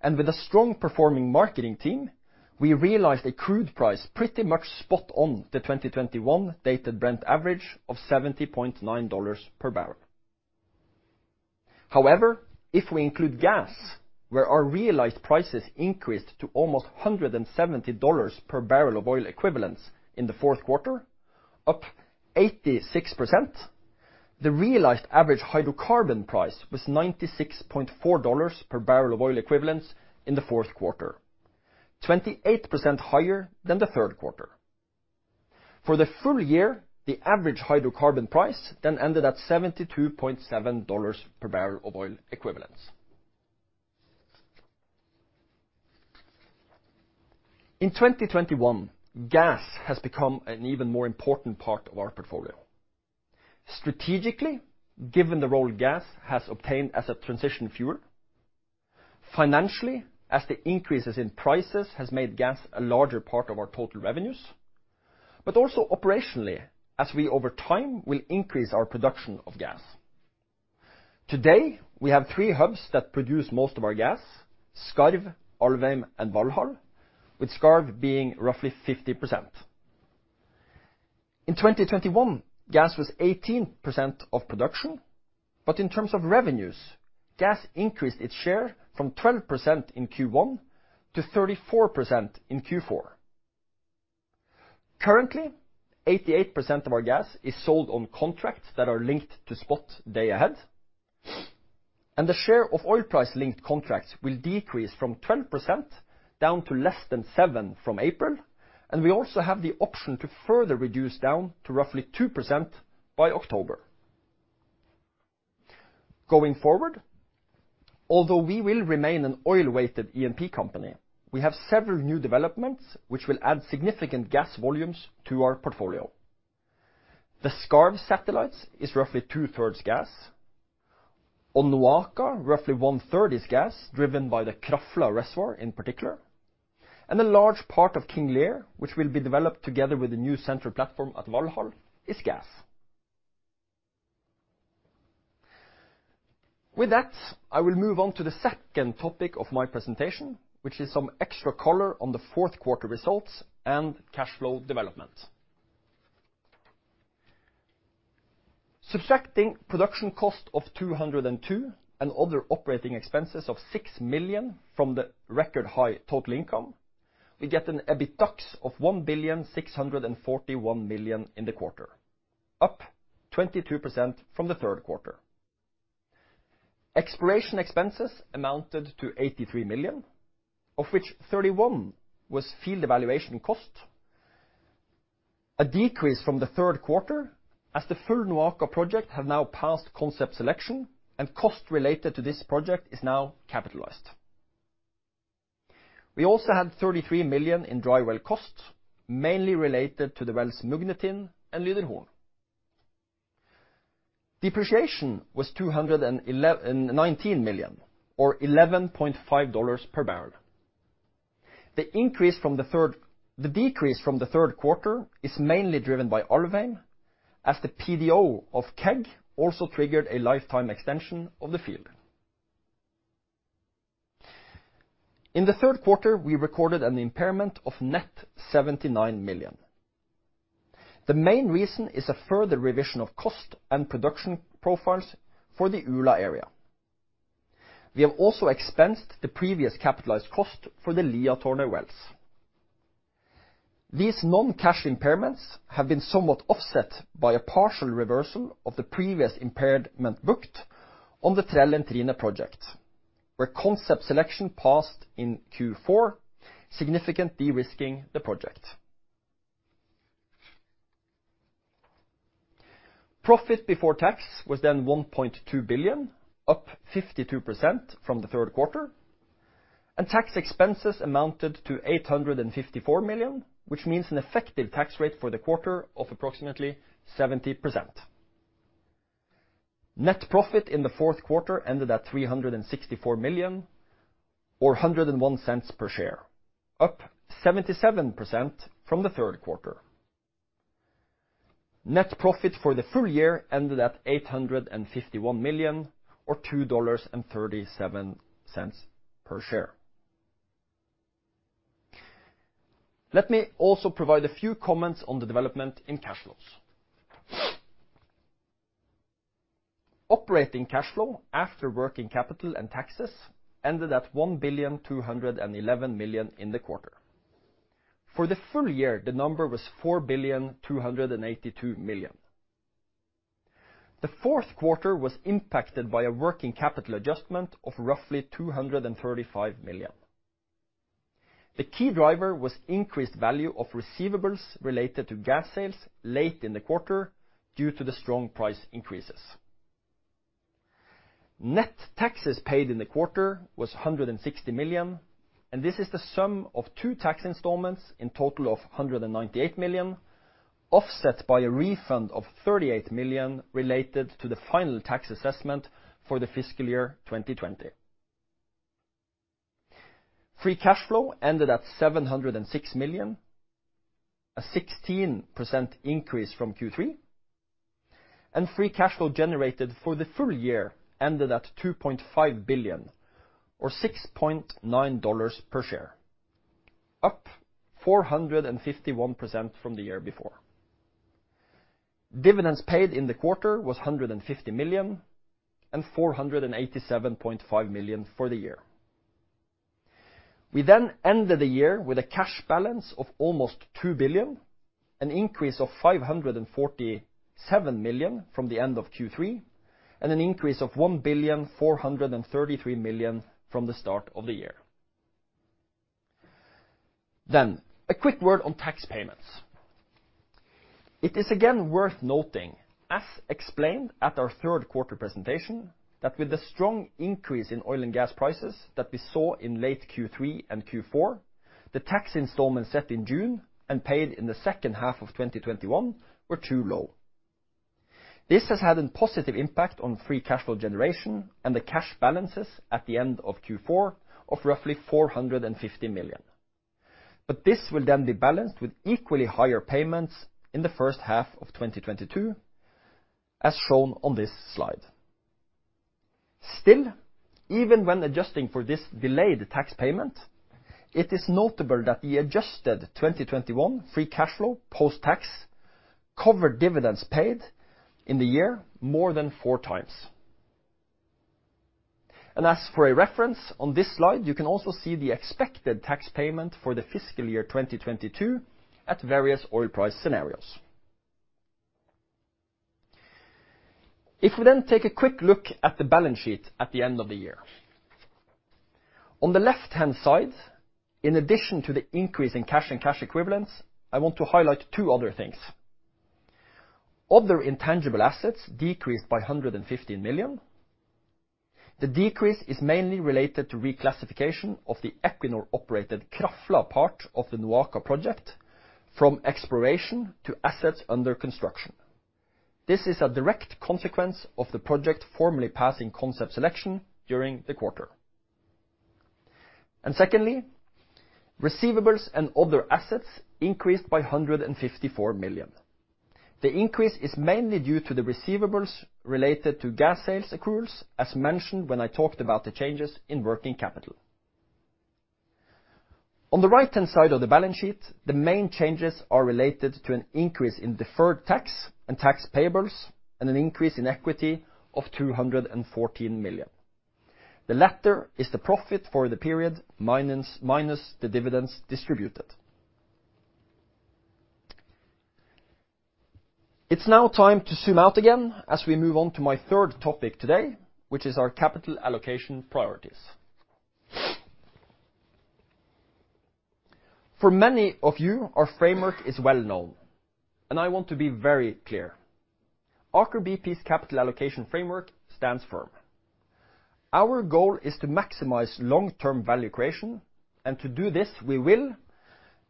C: and with a strong performing marketing team, we realized a crude price pretty much spot on the 2021 dated Brent average of $70.9 per barrel. However, if we include gas, where our realized prices increased to almost $170 per barrel of oil equivalents in the fourth quarter, up 86%, the realized average hydrocarbon price was $96.4 per barrel of oil equivalents in the fourth quarter. 28% higher than the third quarter. For the full year, the average hydrocarbon price then ended at $72.7 per barrel of oil equivalents. In 2021, gas has become an even more important part of our portfolio. Strategically, given the role gas has obtained as a transition fuel, financially, as the increases in prices has made gas a larger part of our total revenues, but also operationally, as we over time will increase our production of gas. Today, we have three hubs that produce most of our gas, Skarv, Alvheim, and Valhall, with Skarv being roughly 50%. In 2021, gas was 18% of production, but in terms of revenues, gas increased its share from 12% in Q1 to 34% in Q4. Currently, 88% of our gas is sold on contracts that are linked to spot day ahead. The share of oil price-linked contracts will decrease from 12% down to less than 7% from April, and we also have the option to further reduce down to roughly 2% by October. Going forward, although we will remain an oil-weighted E&P company, we have several new developments which will add significant gas volumes to our portfolio. The Skarv satellites is roughly two-thirds gas. On NOAKA, roughly one-third is gas, driven by the Krafla reservoir in particular. A large part of King Lear, which will be developed together with the new central platform at Valhall, is gas. With that, I will move on to the second topic of my presentation, which is some extra color on the fourth quarter results and cash flow development. Subtracting production cost of $202 million and other operating expenses of $6 million from the record high total income, we get an EBITDA of $1,641 million in the quarter, up 22% from the third quarter. Exploration expenses amounted to $83 million, of which $31 million was field evaluation cost, a decrease from the third quarter as the full NOAKA project have now passed concept selection and cost related to this project is now capitalized. We also had $33 million in dry well costs, mainly related to the wells Mugnetind andFlugelhorn The decrease from the third quarter is mainly driven by Alvheim, as the PDO of KEG also triggered a lifetime extension of the field. In the third quarter, we recorded an impairment of net $79 million. The main reason is a further revision of cost and production profiles for the Ula area. We have also expensed the previous capitalized cost for the Liatårnet wells. These non-cash impairments have been somewhat offset by a partial reversal of the previous impairment booked on the Trell & Trine project, where concept selection passed in Q4, significantly de-risking the project. Profit before tax was then $1.2 billion, up 52% from the third quarter. Tax expenses amounted to $854 million, which means an effective tax rate for the quarter of approximately 70%. Net profit in the fourth quarter ended at $364 million or $1.01 per share, up 77% from the third quarter. Net profit for the full year ended at $851 million or $2.37 per share. Let me also provide a few comments on the development in cash flows. Operating cash flow after working capital and taxes ended at $1,211 million in the quarter. For the full year, the number was $4,282 million. The fourth quarter was impacted by a working capital adjustment of roughly $235 million. The key driver was increased value of receivables related to gas sales late in the quarter due to the strong price increases. Net taxes paid in the quarter was $160 million, and this is the sum of two tax installments in total of $198 million, offset by a refund of $38 million related to the final tax assessment for the fiscal year 2020. Free cash flow ended at $706 million, a 16% increase from Q3. Free cash flow generated for the full year ended at $2.5 billion or $6.9 per share, up 451% from the year before. Dividends paid in the quarter was $150 million and $487.5 million for the year. We ended the year with a cash balance of almost $2 billion, an increase of $547 million from the end of Q3, and an increase of $1.433 billion from the start of the year. A quick word on tax payments. It is again worth noting, as explained at our third quarter presentation, that with the strong increase in oil and gas prices that we saw in late Q3 and Q4, the tax installments set in June and paid in the second half of 2021 were too low. This has had a positive impact on free cash flow generation and the cash balances at the end of Q4 of roughly $450 million. This will then be balanced with equally higher payments in the first half of 2022, as shown on this slide. Still, even when adjusting for this delayed tax payment, it is notable that the adjusted 2021 free cash flow post-tax covered dividends paid in the year more than 4 times. As for a reference on this slide, you can also see the expected tax payment for the fiscal year 2022 at various oil price scenarios. If we take a quick look at the balance sheet at the end of the year. On the left-hand side, in addition to the increase in cash and cash equivalents, I want to highlight two other things. Other intangible assets decreased by $115 million. The decrease is mainly related to reclassification of the Equinor-operated Krafla part of the NOAKA project from exploration to assets under construction. This is a direct consequence of the project formally passing concept selection during the quarter. Secondly, receivables and other assets increased by $154 million. The increase is mainly due to the receivables related to gas sales accruals, as mentioned when I talked about the changes in working capital. On the right-hand side of the balance sheet, the main changes are related to an increase in deferred tax and tax payables and an increase in equity of $214 million. The latter is the profit for the period minus the dividends distributed. It's now time to zoom out again as we move on to my third topic today, which is our capital allocation priorities. For many of you, our framework is well known and I want to be very clear. Aker BP's capital allocation framework stands firm. Our goal is to maximize long-term value creation, and to do this, we will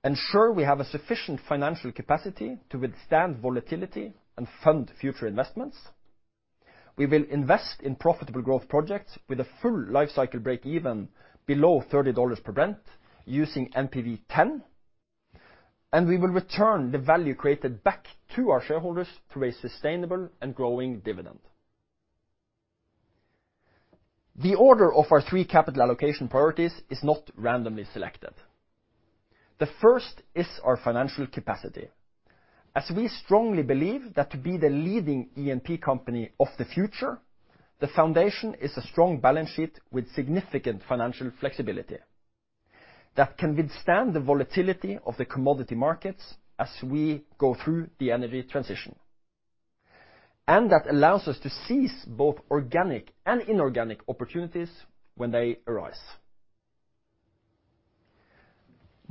C: ensure we have a sufficient financial capacity to withstand volatility and fund future investments. We will invest in profitable growth projects with a full life cycle break-even below $30 per Brent using NPV10, and we will return the value created back to our shareholders through a sustainable and growing dividend. The order of our 3 capital allocation priorities is not randomly selected. The first is our financial capacity. As we strongly believe that to be the leading E&P company of the future, the foundation is a strong balance sheet with significant financial flexibility that can withstand the volatility of the commodity markets as we go through the energy transition. That allows us to seize both organic and inorganic opportunities when they arise.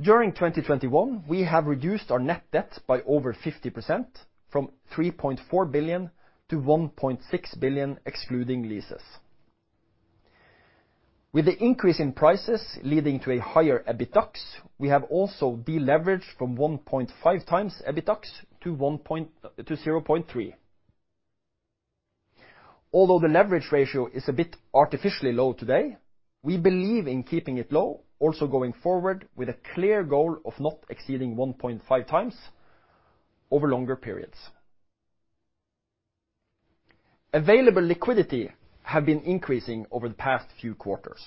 C: During 2021, we have reduced our net debt by over 50% from $3.4 billion to $1.6 billion excluding leases. With the increase in prices leading to a higher EBITDAX, we have also deleveraged from 1.5x EBITDAX to 0.3. Although the leverage ratio is a bit artificially low today, we believe in keeping it low, also going forward with a clear goal of not exceeding 1.5x over longer periods. Available liquidity have been increasing over the past few quarters.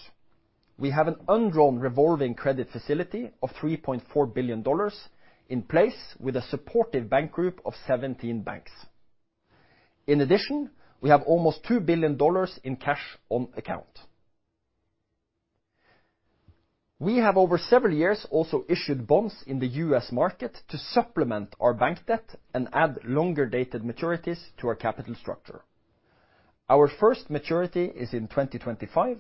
C: We have an undrawn revolving credit facility of $3.4 billion in place with a supportive bank group of 17 banks. In addition, we have almost $2 billion in cash on account. We have, over several years, also issued bonds in the U.S. market to supplement our bank debt and add longer-dated maturities to our capital structure. Our first maturity is in 2025,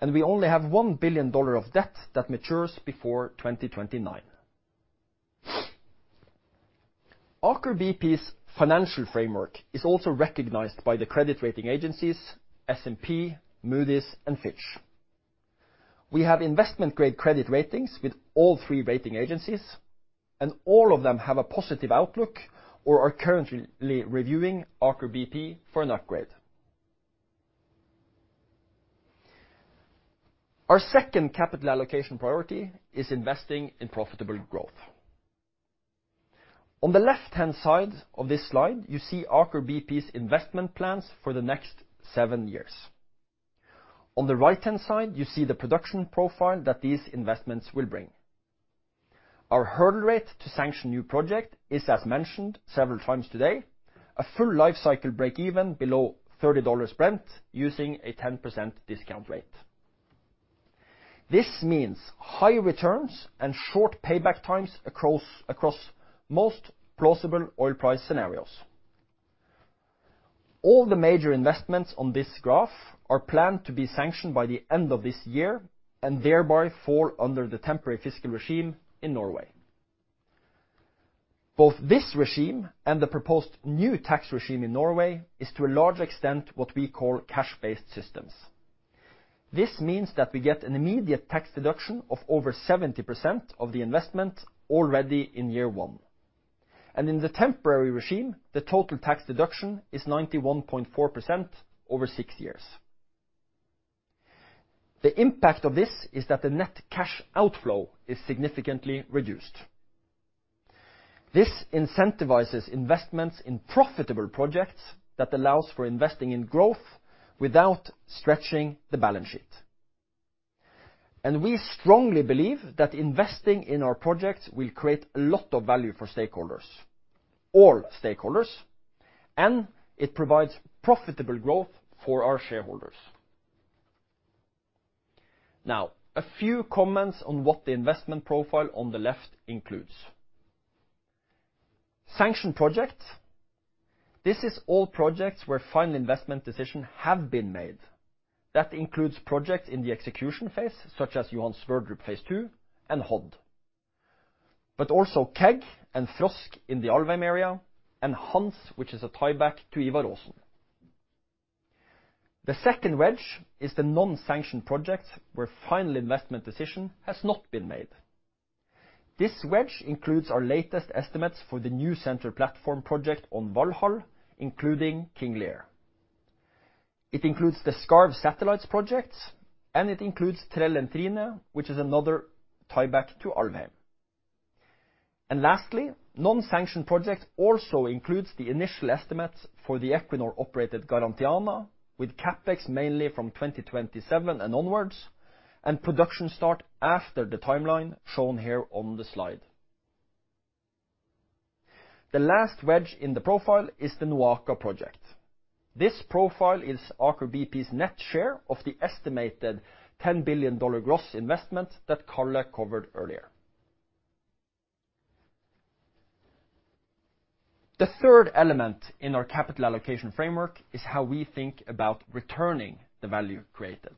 C: and we only have $1 billion of debt that matures before 2029. Aker BP's financial framework is also recognized by the credit rating agencies S&P, Moody's, and Fitch. We have investment-grade credit ratings with all three rating agencies, and all of them have a positive outlook or are currently reviewing Aker BP for an upgrade. Our second capital allocation priority is investing in profitable growth. On the left-hand side of this slide, you see Aker BP's investment plans for the next seven years. On the right-hand side, you see the production profile that these investments will bring. Our hurdle rate to sanction new project is, as mentioned several times today, a full life cycle break even below $30 Brent using a 10% discount rate. This means high returns and short payback times across most plausible oil price scenarios. All the major investments on this graph are planned to be sanctioned by the end of this year and thereby fall under the temporary fiscal regime in Norway. Both this regime and the proposed new tax regime in Norway is, to a large extent, what we call cash-based systems. This means that we get an immediate tax deduction of over 70% of the investment already in year one, and in the temporary regime, the total tax deduction is 91.4% over six years. The impact of this is that the net cash outflow is significantly reduced. This incentivizes investments in profitable projects that allows for investing in growth without stretching the balance sheet. We strongly believe that investing in our projects will create a lot of value for stakeholders, all stakeholders, and it provides profitable growth for our shareholders. Now, a few comments on what the investment profile on the left includes. Sanctioned projects. This is all projects where final investment decision have been made. That includes projects in the execution phase, such as Johan Sverdrup Phase 2 and Hod, but also KEG and Frosk in the Alvheim area, and Hans, which is a tieback to Ivar Aasen. The second wedge is the non-sanctioned project where final investment decision has not been made. This wedge includes our latest estimates for the new central platform project on Valhall, including King Lear. It includes the Skarv Satellites projects, and it includes Trell and Trine, which is another tieback to Alvheim. Lastly, non-sanctioned projects also includes the initial estimates for the Equinor-operated Garantiana with CapEx mainly from 2027 and onwards, and production start after the timeline shown here on the slide. The last wedge in the profile is the NOAKA project. This profile is Aker BP's net share of the estimated $10 billion gross investment that Karl covered earlier. The third element in our capital allocation framework is how we think about returning the value created.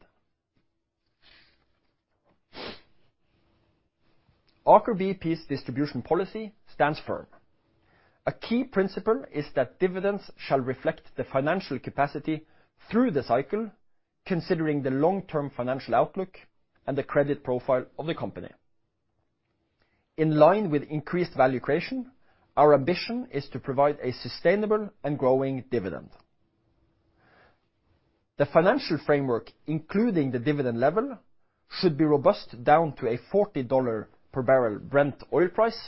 C: Aker BP's distribution policy stands firm. A key principle is that dividends shall reflect the financial capacity through the cycle, considering the long-term financial outlook and the credit profile of the company. In line with increased value creation, our ambition is to provide a sustainable and growing dividend. The financial framework, including the dividend level, should be robust down to a $40 per barrel Brent oil price.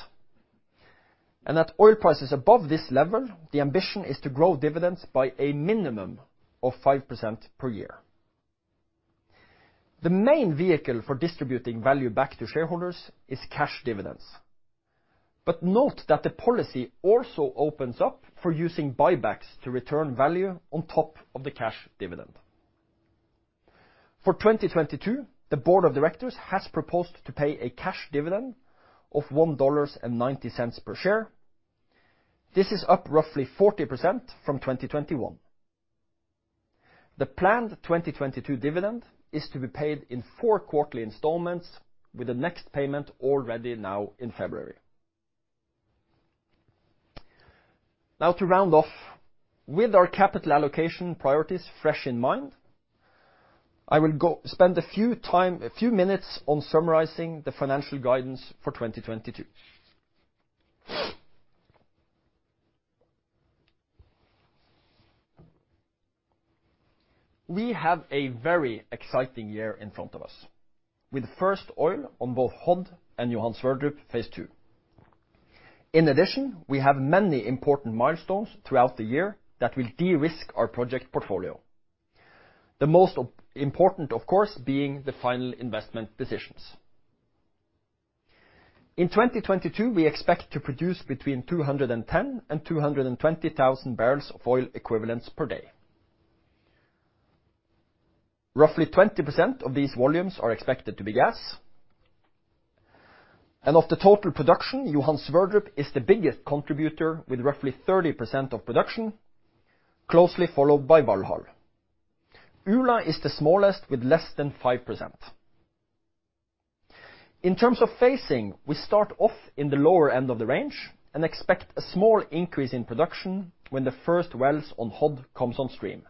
C: At oil prices above this level, the ambition is to grow dividends by a minimum of 5% per year. The main vehicle for distributing value back to shareholders is cash dividends. Note that the policy also opens up for using buybacks to return value on top of the cash dividend. For 2022, the board of directors has proposed to pay a cash dividend of $1.90 per share. This is up roughly 40% from 2021. The planned 2022 dividend is to be paid in 4 quarterly installments, with the next payment already now in February. Now to round off. With our capital allocation priorities fresh in mind, I will spend a few minutes on summarizing the financial guidance for 2022. We have a very exciting year in front of us with first oil on both Hod and Johan Sverdrup Phase Two. In addition, we have many important milestones throughout the year that will de-risk our project portfolio. The most important, of course, being the final investment decisions. In 2022, we expect to produce between 210,000 and 220,000 barrels of oil equivalents per day. Roughly 20% of these volumes are expected to be gas. Of the total production, Johan Sverdrup is the biggest contributor with roughly 30% of production, closely followed by Valhall. Ula is the smallest with less than 5%. In terms of phasing, we start off in the lower end of the range and expect a small increase in production when the first wells on Hod comes on stream.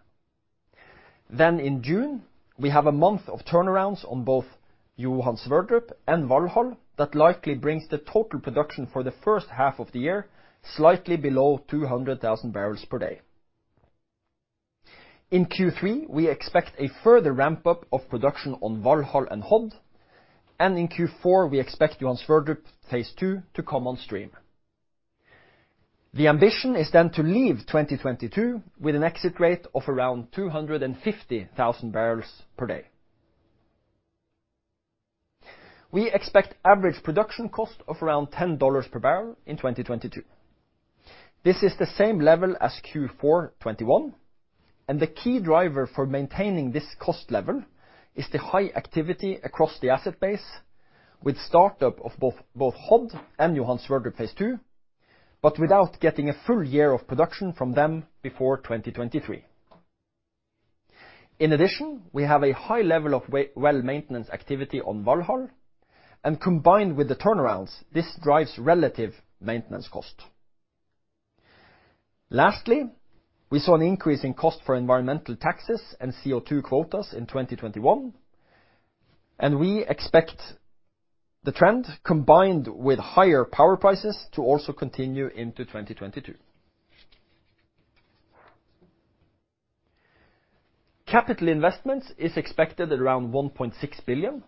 C: In June, we have a month of turnarounds on both Johan Sverdrup and Valhall that likely brings the total production for the first half of the year slightly below 200,000 barrels per day. In Q3, we expect a further ramp-up of production on Valhall and Hod, and in Q4, we expect Johan Sverdrup Phase Two to come on stream. The ambition is then to leave 2022 with an exit rate of around 250,000 barrels per day. We expect average production cost of around $10 per barrel in 2022. This is the same level as Q4 2021, and the key driver for maintaining this cost level is the high activity across the asset base with startup of both Hod and Johan Sverdrup Phase Two, but without getting a full year of production from them before 2023. In addition, we have a high level of well maintenance activity on Valhall, and combined with the turnarounds, this drives relative maintenance cost. Lastly, we saw an increase in cost for environmental taxes and CO2 quotas in 2021, and we expect the trend, combined with higher power prices, to also continue into 2022. Capital investments is expected at around $1.6 billion.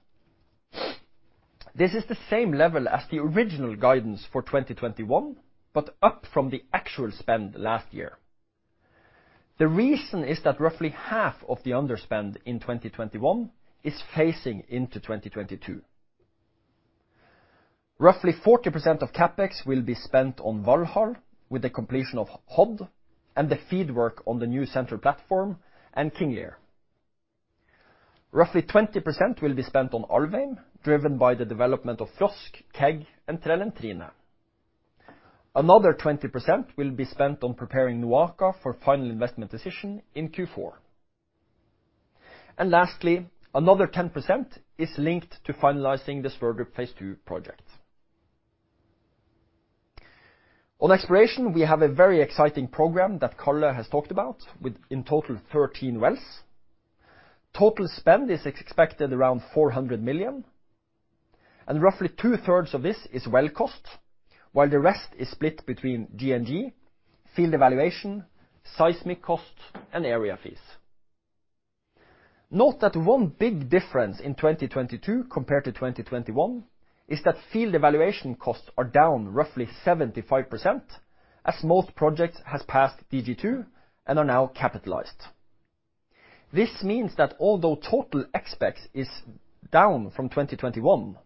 C: This is the same level as the original guidance for 2021, but up from the actual spend last year. The reason is that roughly half of the underspend in 2021 is phasing into 2022. Roughly 40% of CapEx will be spent on Valhall with the completion of Hod and the FEED work on the new central platform and King Lear. Roughly 20% will be spent on Alvheim, driven by the development of Frosk, KEG, and Trell & Trine. Another 20% will be spent on preparing NOAKA for final investment decision in Q4. Lastly, another 10% is linked to finalizing the Sverdrup Phase Two project. On exploration, we have a very exciting program that Karl has talked about with, in total, 13 wells. Total spend is expected around $400 million, and roughly two-thirds of this is well cost, while the rest is split between G&G, field evaluation, seismic costs, and area fees. Note that one big difference in 2022 compared to 2021 is that field evaluation costs are down roughly 75%, as most projects has passed DG2 and are now capitalized. This means that although total expense is down from 2021,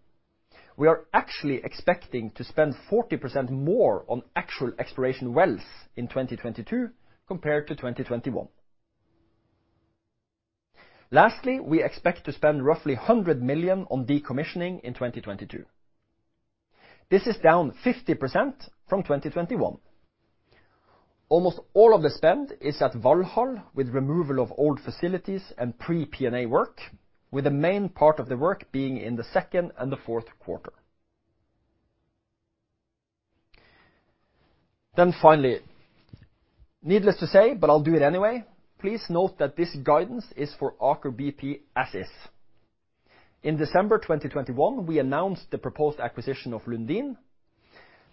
C: we are actually expecting to spend 40% more on actual exploration wells in 2022 compared to 2021. Lastly, we expect to spend roughly $100 million on decommissioning in 2022. This is down 50% from 2021. Almost all of the spend is at Valhall with removal of old facilities and pre-P&A work, with the main part of the work being in the second and the fourth quarter. Finally, needless to say, but I'll do it anyway, please note that this guidance is for Aker BP as is. In December 2021, we announced the proposed acquisition of Lundin.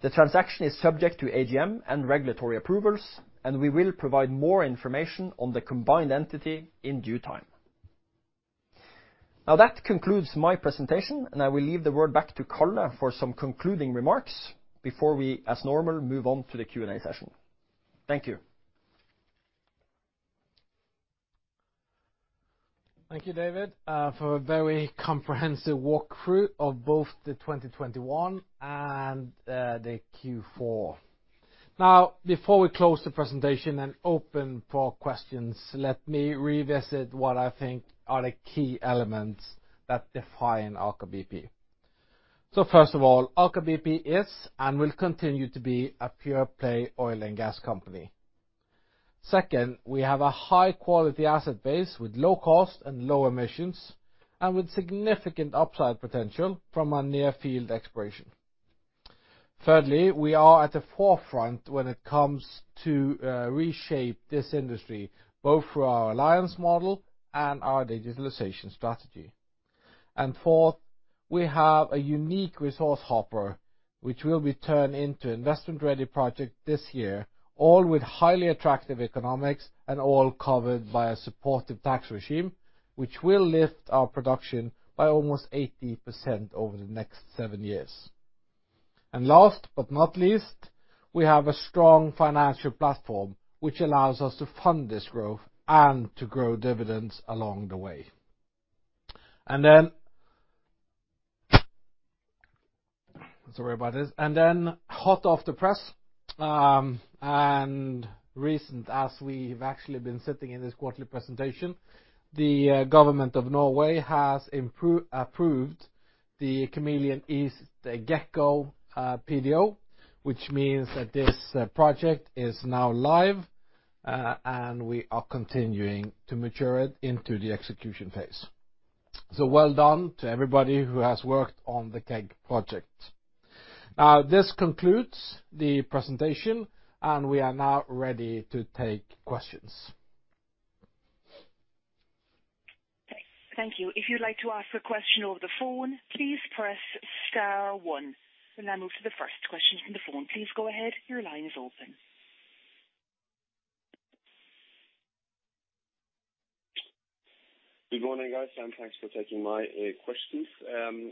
C: The transaction is subject to AGM and regulatory approvals, and we will provide more information on the combined entity in due time. Now that concludes my presentation, and I will leave the word back to Karl for some concluding remarks before we, as normal, move on to the Q&A session. Thank you.
B: Thank you, David, for a very comprehensive walk-through of both the 2021 and the Q4. Now, before we close the presentation and open for questions, let me revisit what I think are the key elements that define Aker BP. First of all, Aker BP is and will continue to be a pure play oil and gas company. Second, we have a high-quality asset base with low cost and low emissions and with significant upside potential from our near-field exploration. Thirdly, we are at the forefront when it comes to reshaping this industry, both through our alliance model and our digitalization strategy. Fourth, we have a unique resource hopper, which will be turned into investment-ready project this year, all with highly attractive economics and all covered by a supportive tax regime, which will lift our production by almost 80% over the next 7 years. Last but not least, we have a strong financial platform, which allows us to fund this growth and to grow dividends along the way. Then hot off the press, and recent, as we've actually been sitting in this quarterly presentation, the government of Norway has approved the East Kameleon, the Gekko, PDO, which means that this project is now live, and we are continuing to mature it into the execution phase. Well done to everybody who has worked on the KEG project. This concludes the presentation, and we are now ready to take questions.
D: Thank you. If you'd like to ask a question over the phone, please press star one. We'll now move to the first question from the phone. Please go ahead. Your line is open.
E: Good morning, guys, and thanks for taking my questions.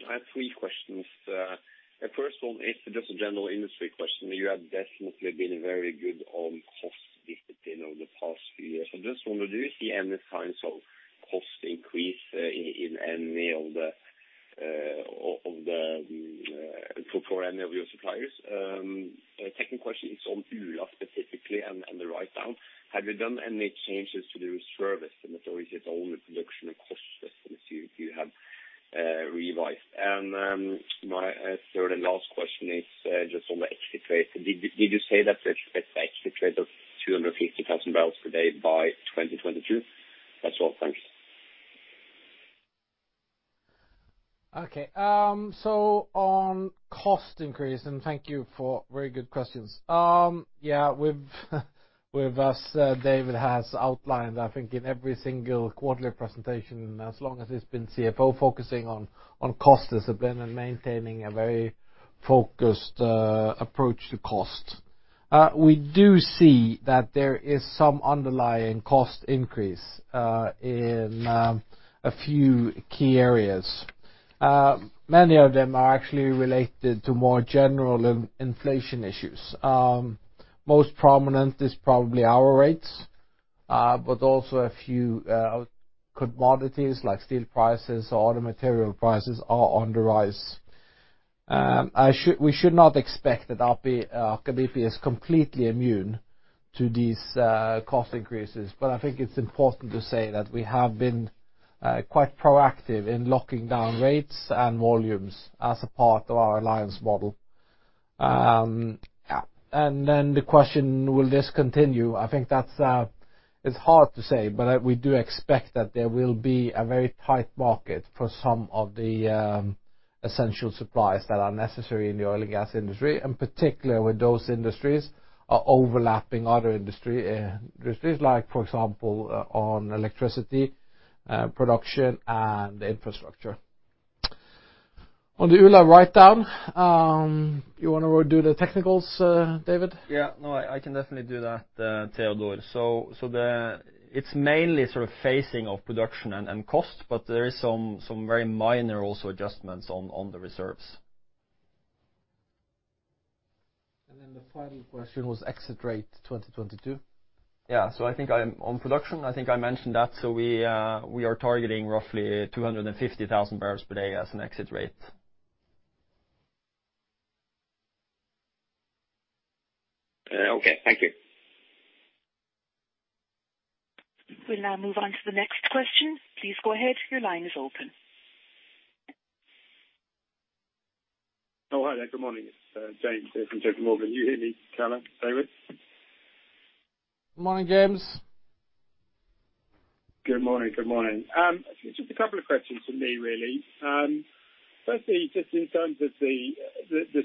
E: I have three questions. The first one is just a general industry question. You have definitely been very good on cost discipline over the past few years. I just wonder, do you see any signs of cost increase in any of your suppliers? Second question is on Ula specifically and the write-down. Have you done any changes to the service and its own production and cost as you have revised? My third and last question is just on the exit rate. Did you say that the exit rate of 250,000 barrels per day by 2022? That's all. Thanks.
B: Okay. On cost increase, thank you for very good questions. Yeah, with as David has outlined, I think in every single quarterly presentation, as long as he's been CFO focusing on cost discipline and maintaining a very focused approach to cost. We do see that there is some underlying cost increase in a few key areas. Many of them are actually related to more general inflation issues. Most prominent is probably our rates, but also a few commodities like steel prices or other material prices are on the rise. We should not expect that Aker BP is completely immune to these cost increases. I think it's important to say that we have been quite proactive in locking down rates and volumes as a part of our alliance model. The question, will this continue? I think that it's hard to say, but we do expect that there will be a very tight market for some of the essential suppliers that are necessary in the oil and gas industry, and particularly when those industries are overlapping other industries, like, for example, on electricity production and infrastructure. On the Ula write-down, you wanna do the technicals, David?
C: Yeah. No, I can definitely do that, Teodor. It's mainly sort of phasing of production and cost, but there is some very minor also adjustments on the reserves.
B: The final question was exit rate 2022.
C: I think I'm on production. I think I mentioned that. We are targeting roughly 250,000 barrels per day as an exit rate.
E: Okay. Thank you.
D: We'll now move on to the next question. Please go ahead. Your line is open.
F: Oh, hi there. Good morning. It's James from JPMorgan. Can you hear me, Karl, David?
B: Morning, James.
F: Good morning. Good morning. Just a couple of questions from me, really. Firstly, just in terms of the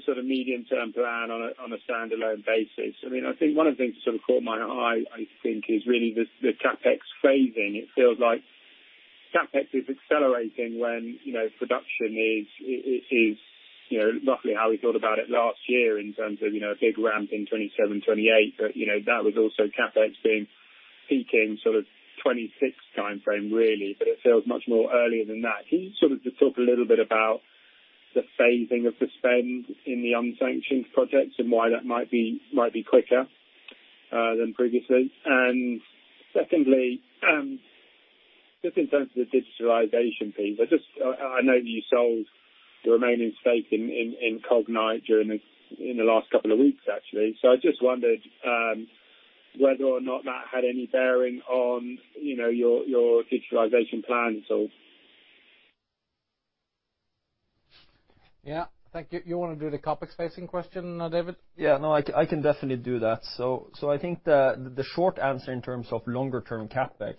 F: sort of medium-term plan on a standalone basis, I mean, I think one of the things that sort of caught my eye, I think, is really the CapEx phasing. It feels like CapEx is accelerating when, you know, production is, you know, roughly how we thought about it last year in terms of, you know, a big ramp in 2027, 2028. You know, that was also CapEx being peaking sort of 2026 timeframe, really. It feels much more earlier than that. Can you sort of just talk a little bit about the phasing of the spend in the unsanctioned projects and why that might be quicker than previously? Secondly, just in terms of the digitalization piece. I just know you sold the remaining stake in Cognite in the last couple of weeks actually. I just wondered whether or not that had any bearing on, you know, your digitalization plans or.
B: Yeah. Thank you. You wanna do the CapEx phasing question, David?
C: Yeah, no, I can definitely do that. I think the short answer in terms of longer term CapEx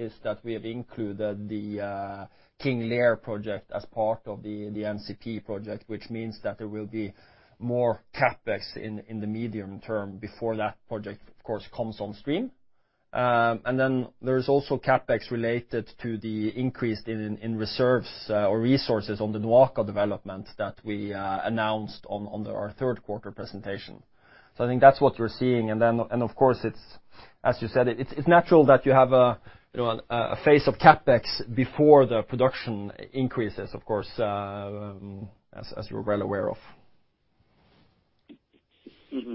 C: is that we have included the King Lear project as part of the NCP project, which means that there will be more CapEx in the medium term before that project of course comes on stream.
B: There's also CapEx related to the increase in reserves or resources on the NOAKA development that we announced on our third quarter presentation. I think that's what we're seeing. Of course, as you said, it's natural that you have a, you know, a phase of CapEx before the production increases, of course, as you're well aware of.
F: Mm-hmm.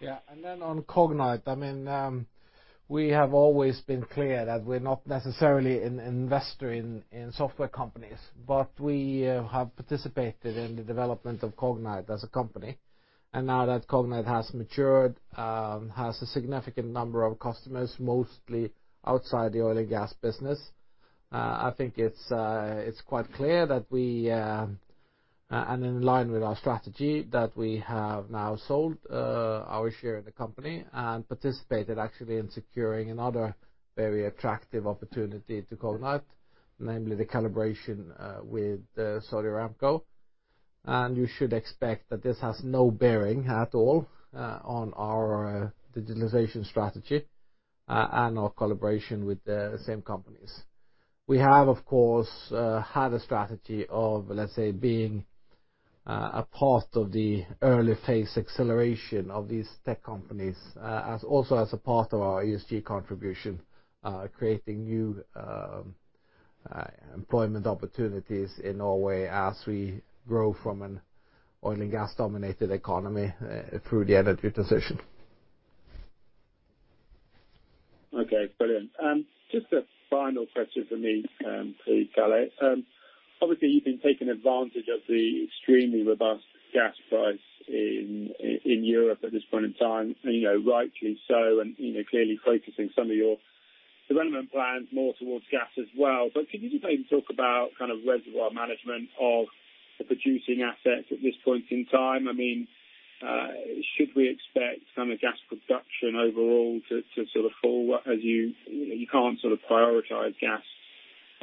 B: Yeah. Then on Cognite, I mean, we have always been clear that we're not necessarily an investor in software companies. We have participated in the development of Cognite as a company. Now that Cognite has matured, has a significant number of customers, mostly outside the oil and gas business, I think it's quite clear that we and in line with our strategy that we have now sold our share in the company and participated actually in securing another very attractive opportunity to Cognite, namely the collaboration with Saudi Aramco. You should expect that this has no bearing at all on our digitalization strategy and our collaboration with the same companies. We have, of course, had a strategy of, let's say, being a part of the early phase acceleration of these tech companies as well as a part of our ESG contribution, creating new employment opportunities in Norway as we grow from an oil and gas-dominated economy through the energy transition.
F: Okay, brilliant. Just a final question for me, please, Karl. Obviously, you've been taking advantage of the extremely robust gas price in Europe at this point in time, you know, rightly so, and, you know, clearly focusing some of your development plans more towards gas as well. Can you just maybe talk about kind of reservoir management of the producing assets at this point in time? I mean, should we expect some of gas production overall to sort of fall as you can't sort of prioritize gas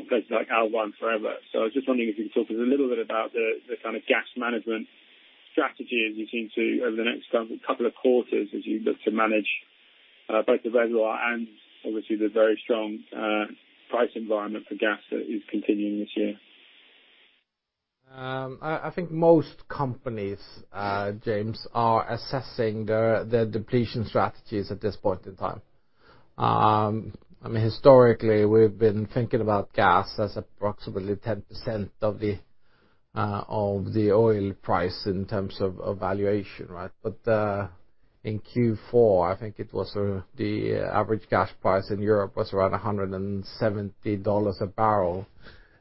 F: places like Alvheim forever. I was just wondering if you can talk to us a little bit about the kind of gas management strategy as you see it over the next couple of quarters as you look to manage both the reservoir and obviously the very strong price environment for gas that is continuing this year.
B: I think most companies, James, are assessing their depletion strategies at this point in time. I mean, historically, we've been thinking about gas as approximately 10% of the oil price in terms of valuation, right? In Q4, I think it was the average gas price in Europe was around $170 a barrel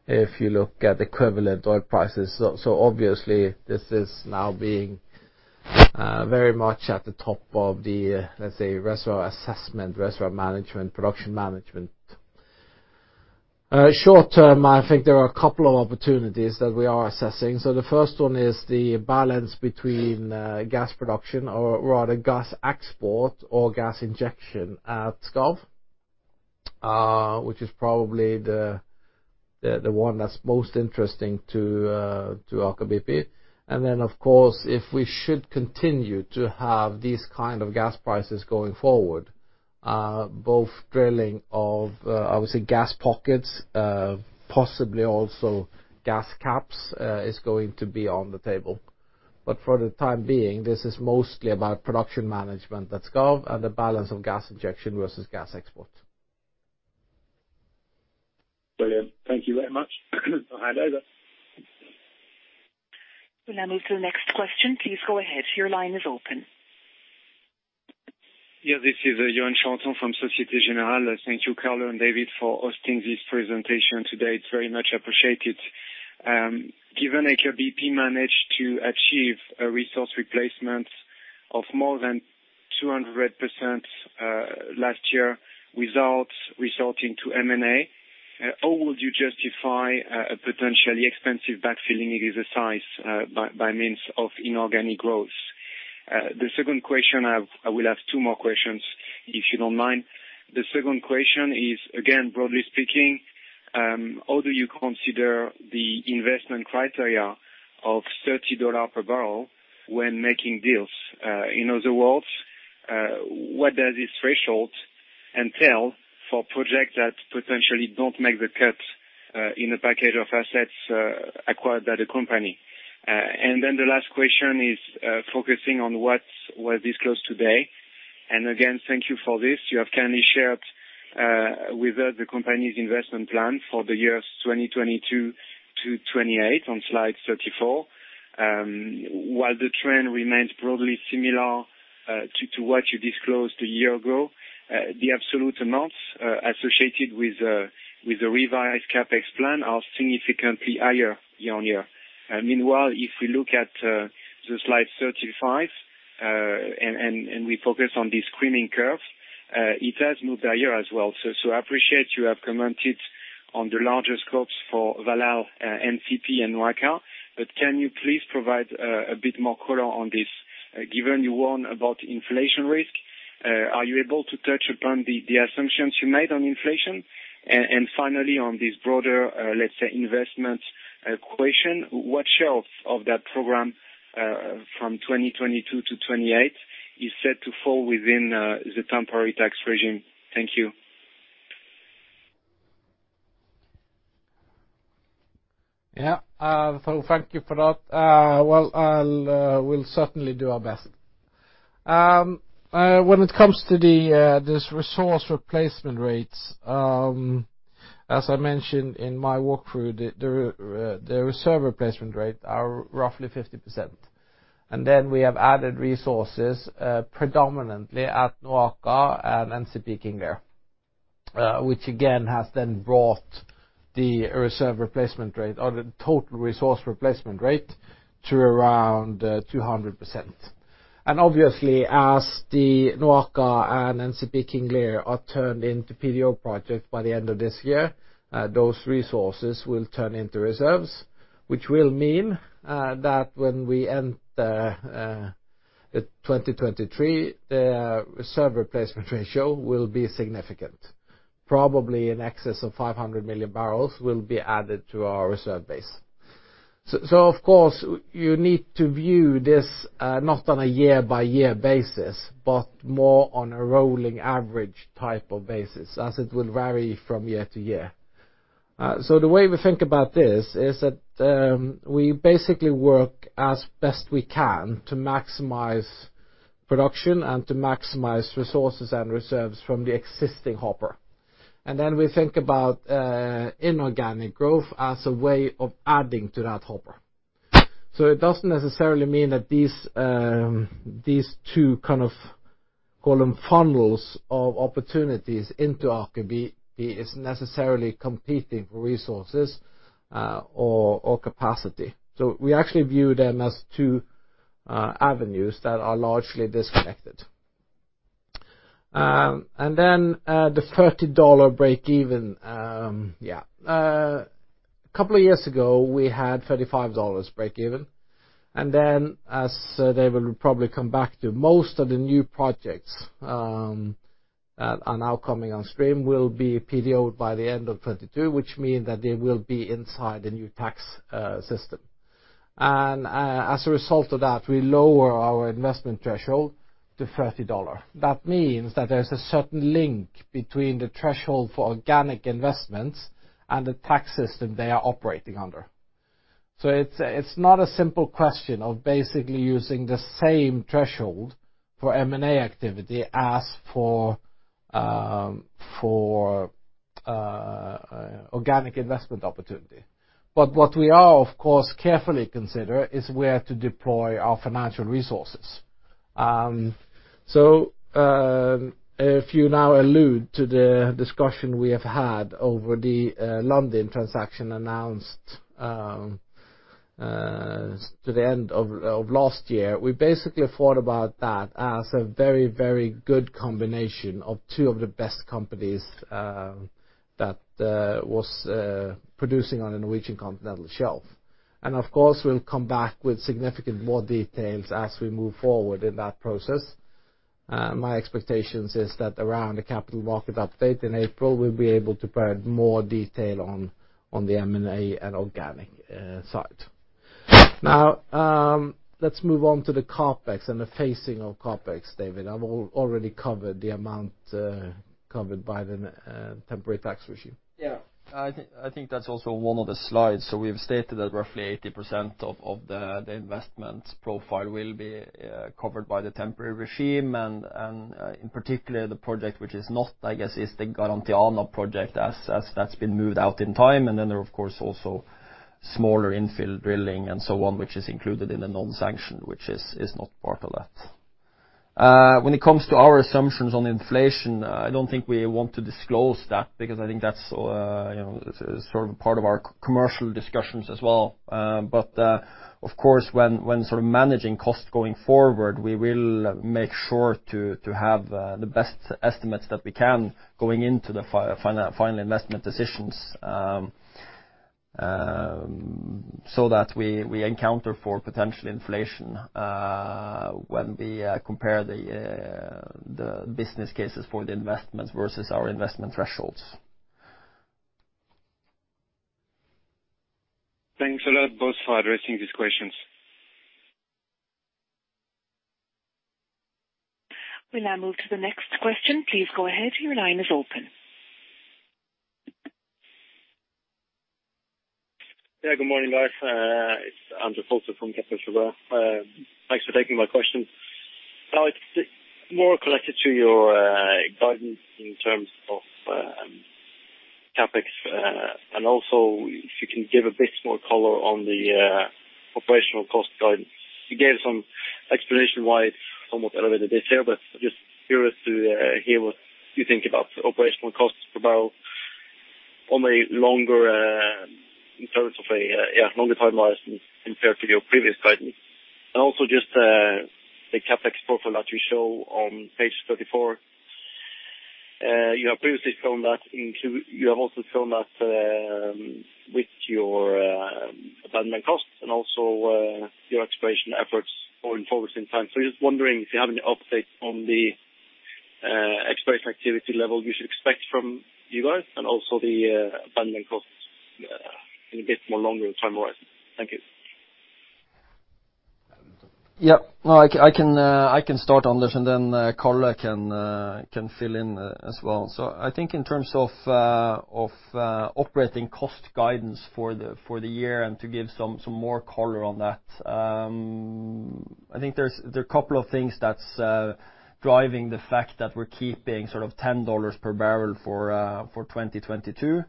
B: if you look at equivalent oil prices. Obviously this is now being very much at the top of the, let's say, reservoir assessment, reservoir management, production management. Short-term, I think there are a couple of opportunities that we are assessing. The first one is the balance between gas production or rather gas export or gas injection at Skarv, which is probably the one that's most interesting to Aker BP. Of course, if we should continue to have these kind of gas prices going forward, both drilling of, obviously gas pockets, possibly also gas caps, is going to be on the table. For the time being, this is mostly about production management at Skarv and the balance of gas injection versus gas export.
F: Brilliant. Thank you very much. I'll hand over.
D: We'll now move to the next question. Please go ahead. Your line is open.
G: Yes, this is Yoann Charenton from Societe Generale. Thank you, Karl and David, for hosting this presentation today. It's very much appreciated. Given Aker BP managed to achieve a resource replacement of more than 200%, last year without resorting to M&A, how would you justify a potentially expensive backfilling of this size by means of inorganic growth? The second question I have. I will have two more questions, if you don't mind. The second question is, again, broadly speaking, how do you consider the investment criteria of $30 per barrel when making deals? In other words, what does this threshold entail for projects that potentially don't make the cut in the package of assets acquired by the company? And then the last question is, focusing on what was disclosed today. Thank you for this. You have kindly shared with the company's investment plan for the years 2022 to 2028 on slide 34. While the trend remains broadly similar to what you disclosed a year ago, the absolute amounts associated with the revised CapEx plan are significantly higher year-on-year. Meanwhile, if we look at the slide 35, and we focus on the screening curve, it has moved higher as well. I appreciate you have commented on the larger scopes for Valhall NCP and NOAKA, but can you please provide a bit more color on this? Given you warn about inflation risk, are you able to touch upon the assumptions you made on inflation? Finally, on this broader, let's say, investment question, what share of that program from 2022 to 2028 is set to fall within the temporary tax regime? Thank you.
B: Thank you for that. Well, we'll certainly do our best. When it comes to this resource replacement rates, as I mentioned in my walk through, the reserve replacement rate are roughly 50%. We have added resources, predominantly at NOAKA and NCP King Lear, which again has then brought the reserve replacement rate or the total resource replacement rate to around 200%. Obviously as the NOAKA and NCP King Lear are turned into PDO project by the end of this year, those resources will turn into reserves, which will mean that when we enter 2023, the reserve replacement ratio will be significant. Probably in excess of 500 million barrels will be added to our reserve base. Of course you need to view this, not on a year-by-year basis, but more on a rolling average type of basis, as it will vary from year to year. The way we think about this is that we basically work as best we can to maximize production and to maximize resources and reserves from the existing hopper. Then we think about inorganic growth as a way of adding to that hopper. It doesn't necessarily mean that these two kind of call them funnels of opportunities into Aker BP is necessarily competing for resources or capacity. We actually view them as two avenues that are largely disconnected. Then the $30 break even, yeah. A couple of years ago, we had $35 break even, and then as David will probably come back to, most of the new projects are now coming on stream will be PDO'd by the end of 2022, which mean that they will be inside the new tax system. As a result of that, we lower our investment threshold to $30. That means that there's a certain link between the threshold for organic investments and the tax system they are operating under. It's not a simple question of basically using the same threshold for M&A activity as for organic investment opportunity. What we are of course carefully consider is where to deploy our financial resources. If you now allude to the discussion we have had over the Lundin transaction announced to the end of last year, we basically thought about that as a very, very good combination of two of the best companies that was producing on the Norwegian Continental Shelf. Of course we'll come back with significant more details as we move forward in that process. My expectations is that around the capital market update in April, we'll be able to provide more detail on the M&A and organic side. Let's move on to the CapEx and the phasing of CapEx. David, I've already covered the amount covered by the temporary tax regime.
C: Yeah. I think that's also one of the slides. We've stated that roughly 80% of the investment profile will be covered by the temporary regime. In particular, the project which is not, I guess, the Garantiana project as that's been moved out in time. Then there are of course also smaller infill drilling and so on, which is included in the non-sanctioned, which is not part of that. When it comes to our assumptions on inflation, I don't think we want to disclose that because I think that's, you know, sort of part of our commercial discussions as well. Of course, when managing cost going forward, we will make sure to have the best estimates that we can going into the final investment decisions, so that we account for potential inflation when we compare the business cases for the investment versus our investment thresholds.
G: Thanks a lot, both for addressing these questions.
D: We now move to the next question. Please go ahead. Your line is open.
H: Good morning, guys. It's Anders Holso from Kepler Cheuvreux. Thanks for taking my question. It's more connected to your guidance in terms of CapEx, and also if you can give a bit more color on the operational cost guidance. You gave some explanation why it's almost elevated this year, but just curious to hear what you think about operational costs for about on a longer, in terms of a, longer timelines compared to your previous guidance. Also just the CapEx profile that you show on page 34. You have previously shown that with your abandonment costs and also your exploration efforts going forwards in time. Just wondering if you have any updates on the exploration activity level we should expect from you guys and also the abandonment costs in a bit more longer in time-wise. Thank you.
C: Yeah. No, I can start, Anders, and then Karl can fill in as well. I think in terms of operating cost guidance for the year and to give some more color on that, I think there are a couple of things that's driving the fact that we're keeping sort of $10 per barrel for 2022.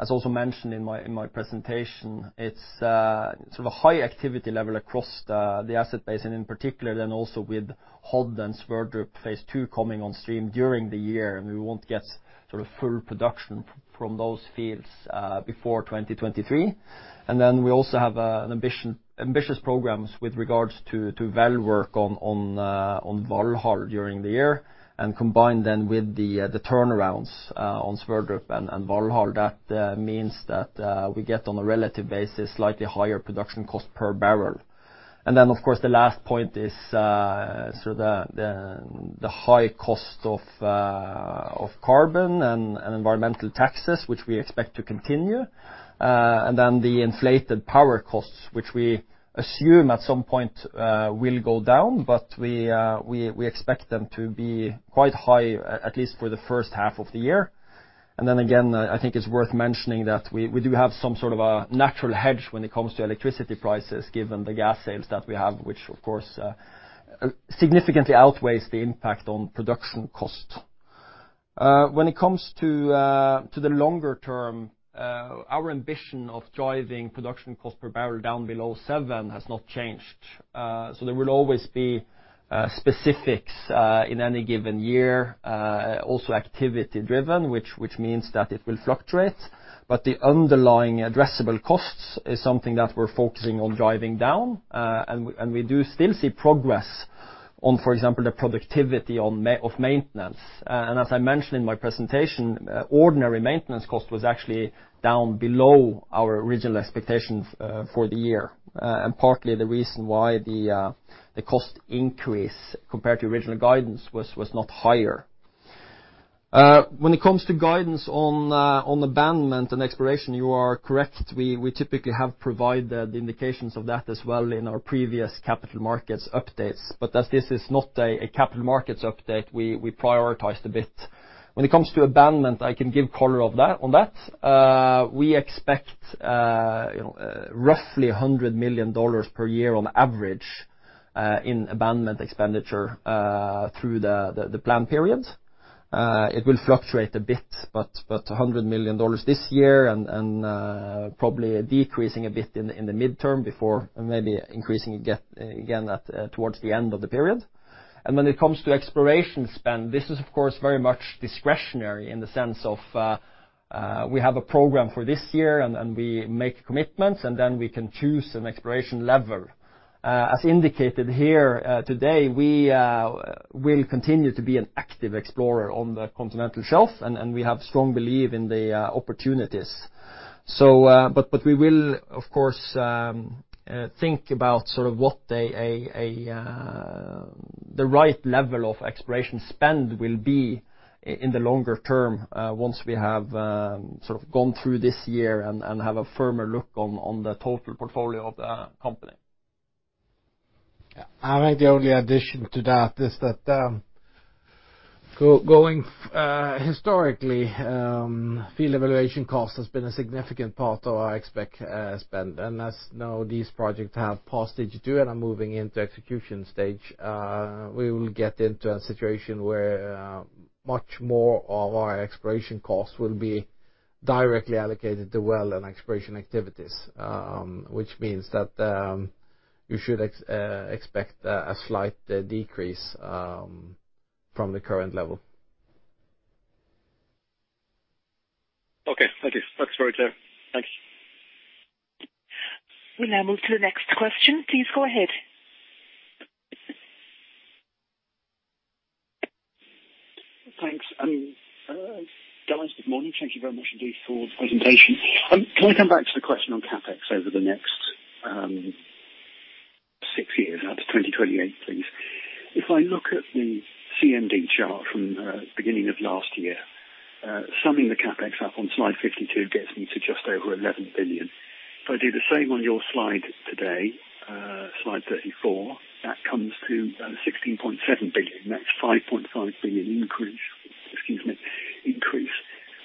C: As also mentioned in my presentation, it's sort of a high activity level across the asset base, and in particular then also with Hod and Sverdrup Phase 2 coming on stream during the year, and we won't get sort of full production from those fields before 2023. We also have ambitious programs with regards to well work on Valhall during the year. Combined with the turnarounds on Sverdrup and Valhall, that means that we get on a relative basis slightly higher production cost per barrel. Of course, the last point is sort of the high cost of carbon and environmental taxes, which we expect to continue. The inflated power costs, which we assume at some point will go down, but we expect them to be quite high at least for the first half of the year. I think it's worth mentioning that we do have some sort of a natural hedge when it comes to electricity prices, given the gas sales that we have, which of course significantly outweighs the impact on production cost. When it comes to the longer term, our ambition of driving production cost per barrel down below $7 has not changed. There will always be specifics in any given year. Also activity-driven, which means that it will fluctuate. The underlying addressable costs is something that we're focusing on driving down. We do still see progress on, for example, the productivity of maintenance. As I mentioned in my presentation, ordinary maintenance cost was actually down below our original expectations for the year. Partly the reason why the cost increase compared to original guidance was not higher. When it comes to guidance on abandonment and exploration, you are correct. We typically have provided indications of that as well in our previous capital markets updates. As this is not a capital markets update, we prioritized a bit. When it comes to abandonment, I can give color on that. We expect, you know, roughly $100 million per year on average in abandonment expenditure through the plan period. It will fluctuate a bit, but $100 million this year and probably decreasing a bit in the midterm before maybe increasing again towards the end of the period. When it comes to exploration spend, this is of course very much discretionary in the sense of, we have a program for this year and we make commitments, and then we can choose an exploration level. As indicated here, today, we will continue to be an active explorer on the continental shelf, and we have strong belief in the opportunities. But we will of course think about sort of what the right level of exploration spend will be in the longer term, once we have sort of gone through this year and have a firmer look on the total portfolio of the company.
B: I think the only addition to that is that, going historically, field evaluation cost has been a significant part of our Expex spend. As now these projects have passed stage two and are moving into execution stage, we will get into a situation where, much more of our exploration costs will be directly allocated to well and exploration activities, which means that, you should expect a slight decrease, from the current level.
H: Okay, thank you. That's very clear. Thank you.
D: We now move to the next question. Please go ahead.
I: Thanks. Guys, good morning. Thank you very much indeed for the presentation. Can I come back to the question on CapEx over the next six years, out to 2028, please? If I look at the CMD chart from beginning of last year, summing the CapEx up on slide 52 gets me to just over $11 billion. If I do the same on your slide today, slide 34, that comes to $16.7 billion. That's a $5.5 billion increase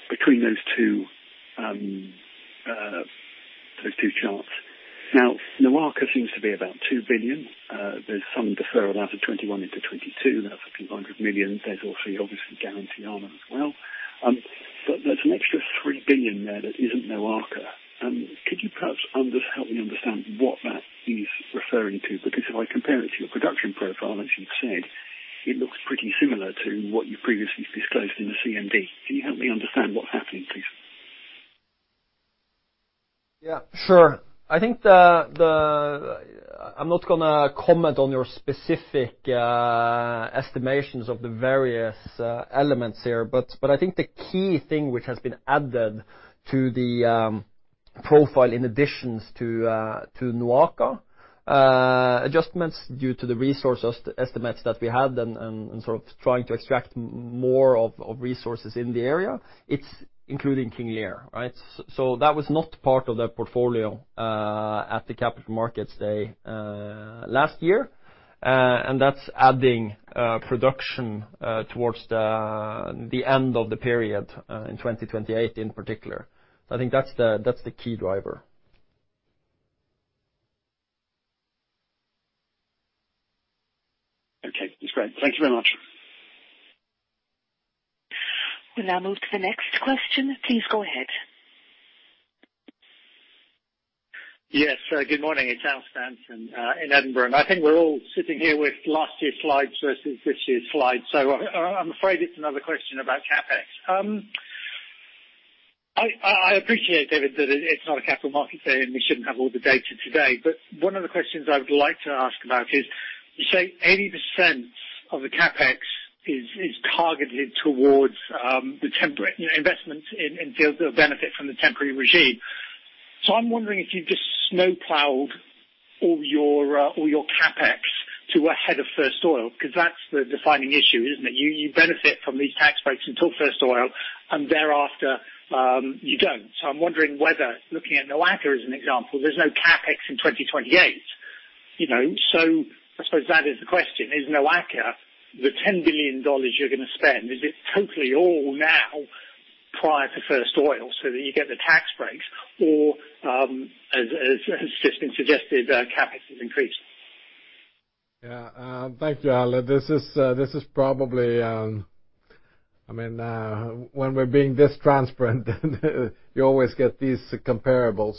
I: between those two charts. Now, NOAKA seems to be about $2 billion. There's some deferral out of 2021 into 2022. That's a few hundred million. There's also obviously Garantiana as well. But there's an extra $3 billion there that isn't NOAKA. Could you perhaps, Anders, help me understand what that is referring to? Because if I compare it to your production profile, as you said, it looks pretty similar to what you previously disclosed in the CMD. Can you help me understand what's happening, please?
C: Yeah, sure. I think the
B: I'm not gonna comment on your specific estimations of the various elements here, but I think the key thing which has been added to the profile in addition to NOAKA adjustments due to the resource estimates that we had and sort of trying to extract more of resources in the area. It's including King Lear, right? That was not part of the portfolio at the capital markets day last year. That's adding production towards the end of the period in 2028 in particular. I think that's the key driver.
I: Okay. That's great. Thank you very much.
D: We'll now move to the next question. Please go ahead.
J: Yes. Good morning. It's Alistair Stanton in Edinburgh. I think we're all sitting here with last year's slides versus this year's slides. I'm afraid it's another question about CapEx. I appreciate, David, that it's not a capital markets day, and we shouldn't have all the data today. One of the questions I would like to ask about is, you say 80% of the CapEx is targeted towards the temporary, you know, investments in fields that benefit from the temporary regime. I'm wondering if you've just snowplowed all your CapEx ahead of first oil, 'cause that's the defining issue, isn't it? You benefit from these tax breaks until first oil and thereafter you don't. I'm wondering whether looking at NOAKA as an example, there's no CapEx in 2028, you know. I suppose that is the question. Is NOAKA the $10 billion you're gonna spend, is it totally all now prior to first oil so that you get the tax breaks or, as has just been suggested, CapEx is increased?
B: Thank you, Al. This is probably, I mean, when we're being this transparent, you always get these comparables.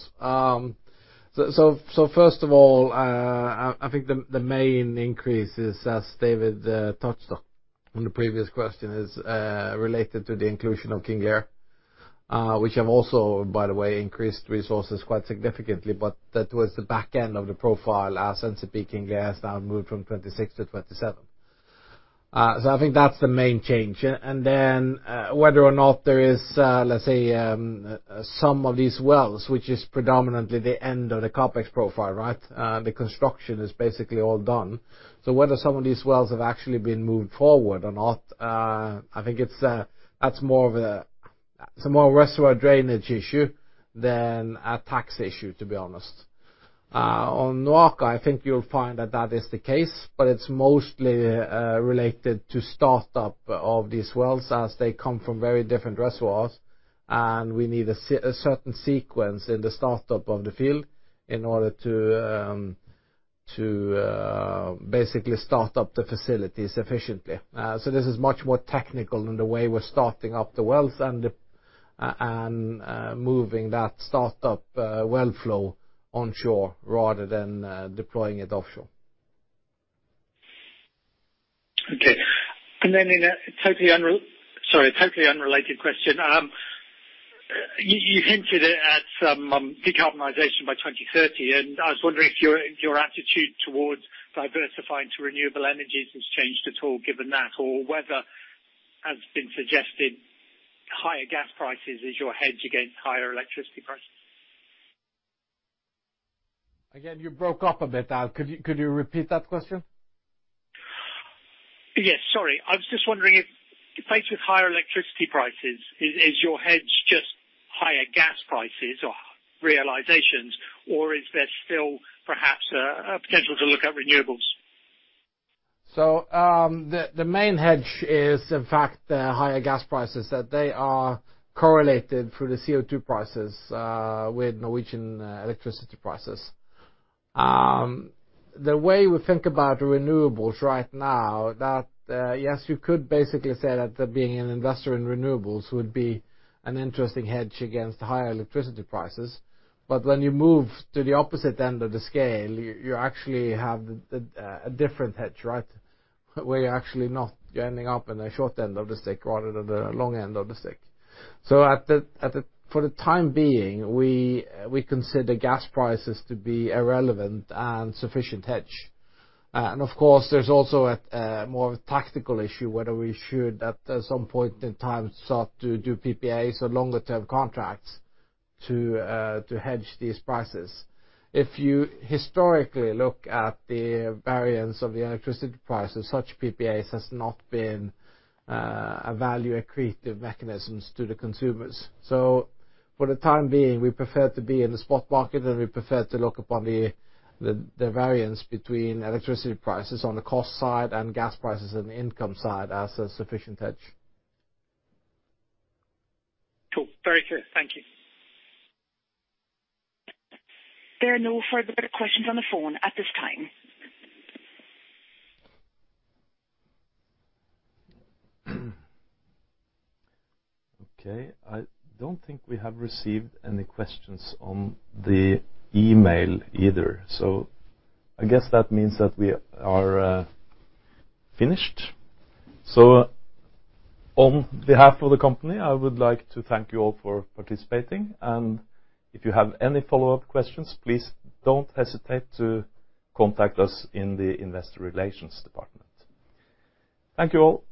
B: First of all, I think the main increase is, as David touched on in the previous question, related to the inclusion of King Lear, which have also, by the way, increased resources quite significantly, but that was the back end of the profile and since peaking gas now moved from 26 to 27. I think that's the main change. Whether or not there is, let's say, some of these wells, which is predominantly the end of the CapEx profile, right? The construction is basically all done. Whether some of these wells have actually been moved forward or not, I think it's a more reservoir drainage issue than a tax issue, to be honest. On NOAKA, I think you'll find that that is the case, but it's mostly related to start up of these wells as they come from very different reservoirs, and we need a certain sequence in the start-up of the field in order to basically start up the facilities efficiently. This is much more technical in the way we're starting up the wells and the and moving that start-up well flow onshore rather than deploying it offshore.
J: In a totally unrelated question. You hinted at some decarbonization by 2030, and I was wondering if your attitude towards diversifying to renewable energies has changed at all given that or whether, as has been suggested, higher gas prices is your hedge against higher electricity prices.
B: Again, you broke up a bit, Al. Could you repeat that question?
J: Yes. Sorry. I was just wondering if faced with higher electricity prices is your hedge just higher gas prices or realizations, or is there still perhaps a potential to look at renewables?
B: The main hedge is in fact the higher gas prices that they are correlated through the CO2 prices with Norwegian electricity prices. The way we think about renewables right now, yes, you could basically say that being an investor in renewables would be an interesting hedge against higher electricity prices. But when you move to the opposite end of the scale, you actually have a different hedge, right? Where you're actually not ending up in a short end of the stick rather than the long end of the stick. For the time being, we consider gas prices to be relevant and sufficient hedge. Of course, there's also a more of a tactical issue, whether we should, at some point in time, start to do PPAs or longer term contracts to hedge these prices. If you historically look at the variance of the electricity prices, such PPAs has not been a value accretive mechanisms to the consumers. For the time being, we prefer to be in the spot market, and we prefer to look upon the variance between electricity prices on the cost side and gas prices on the income side as a sufficient hedge.
J: Cool. Very clear. Thank you.
D: There are no further questions on the phone at this time.
B: Okay. I don't think we have received any questions on the email either. I guess that means that we are finished. On behalf of the company, I would like to thank you all for participating. If you have any follow-up questions, please don't hesitate to contact us in the investor relations department. Thank you all.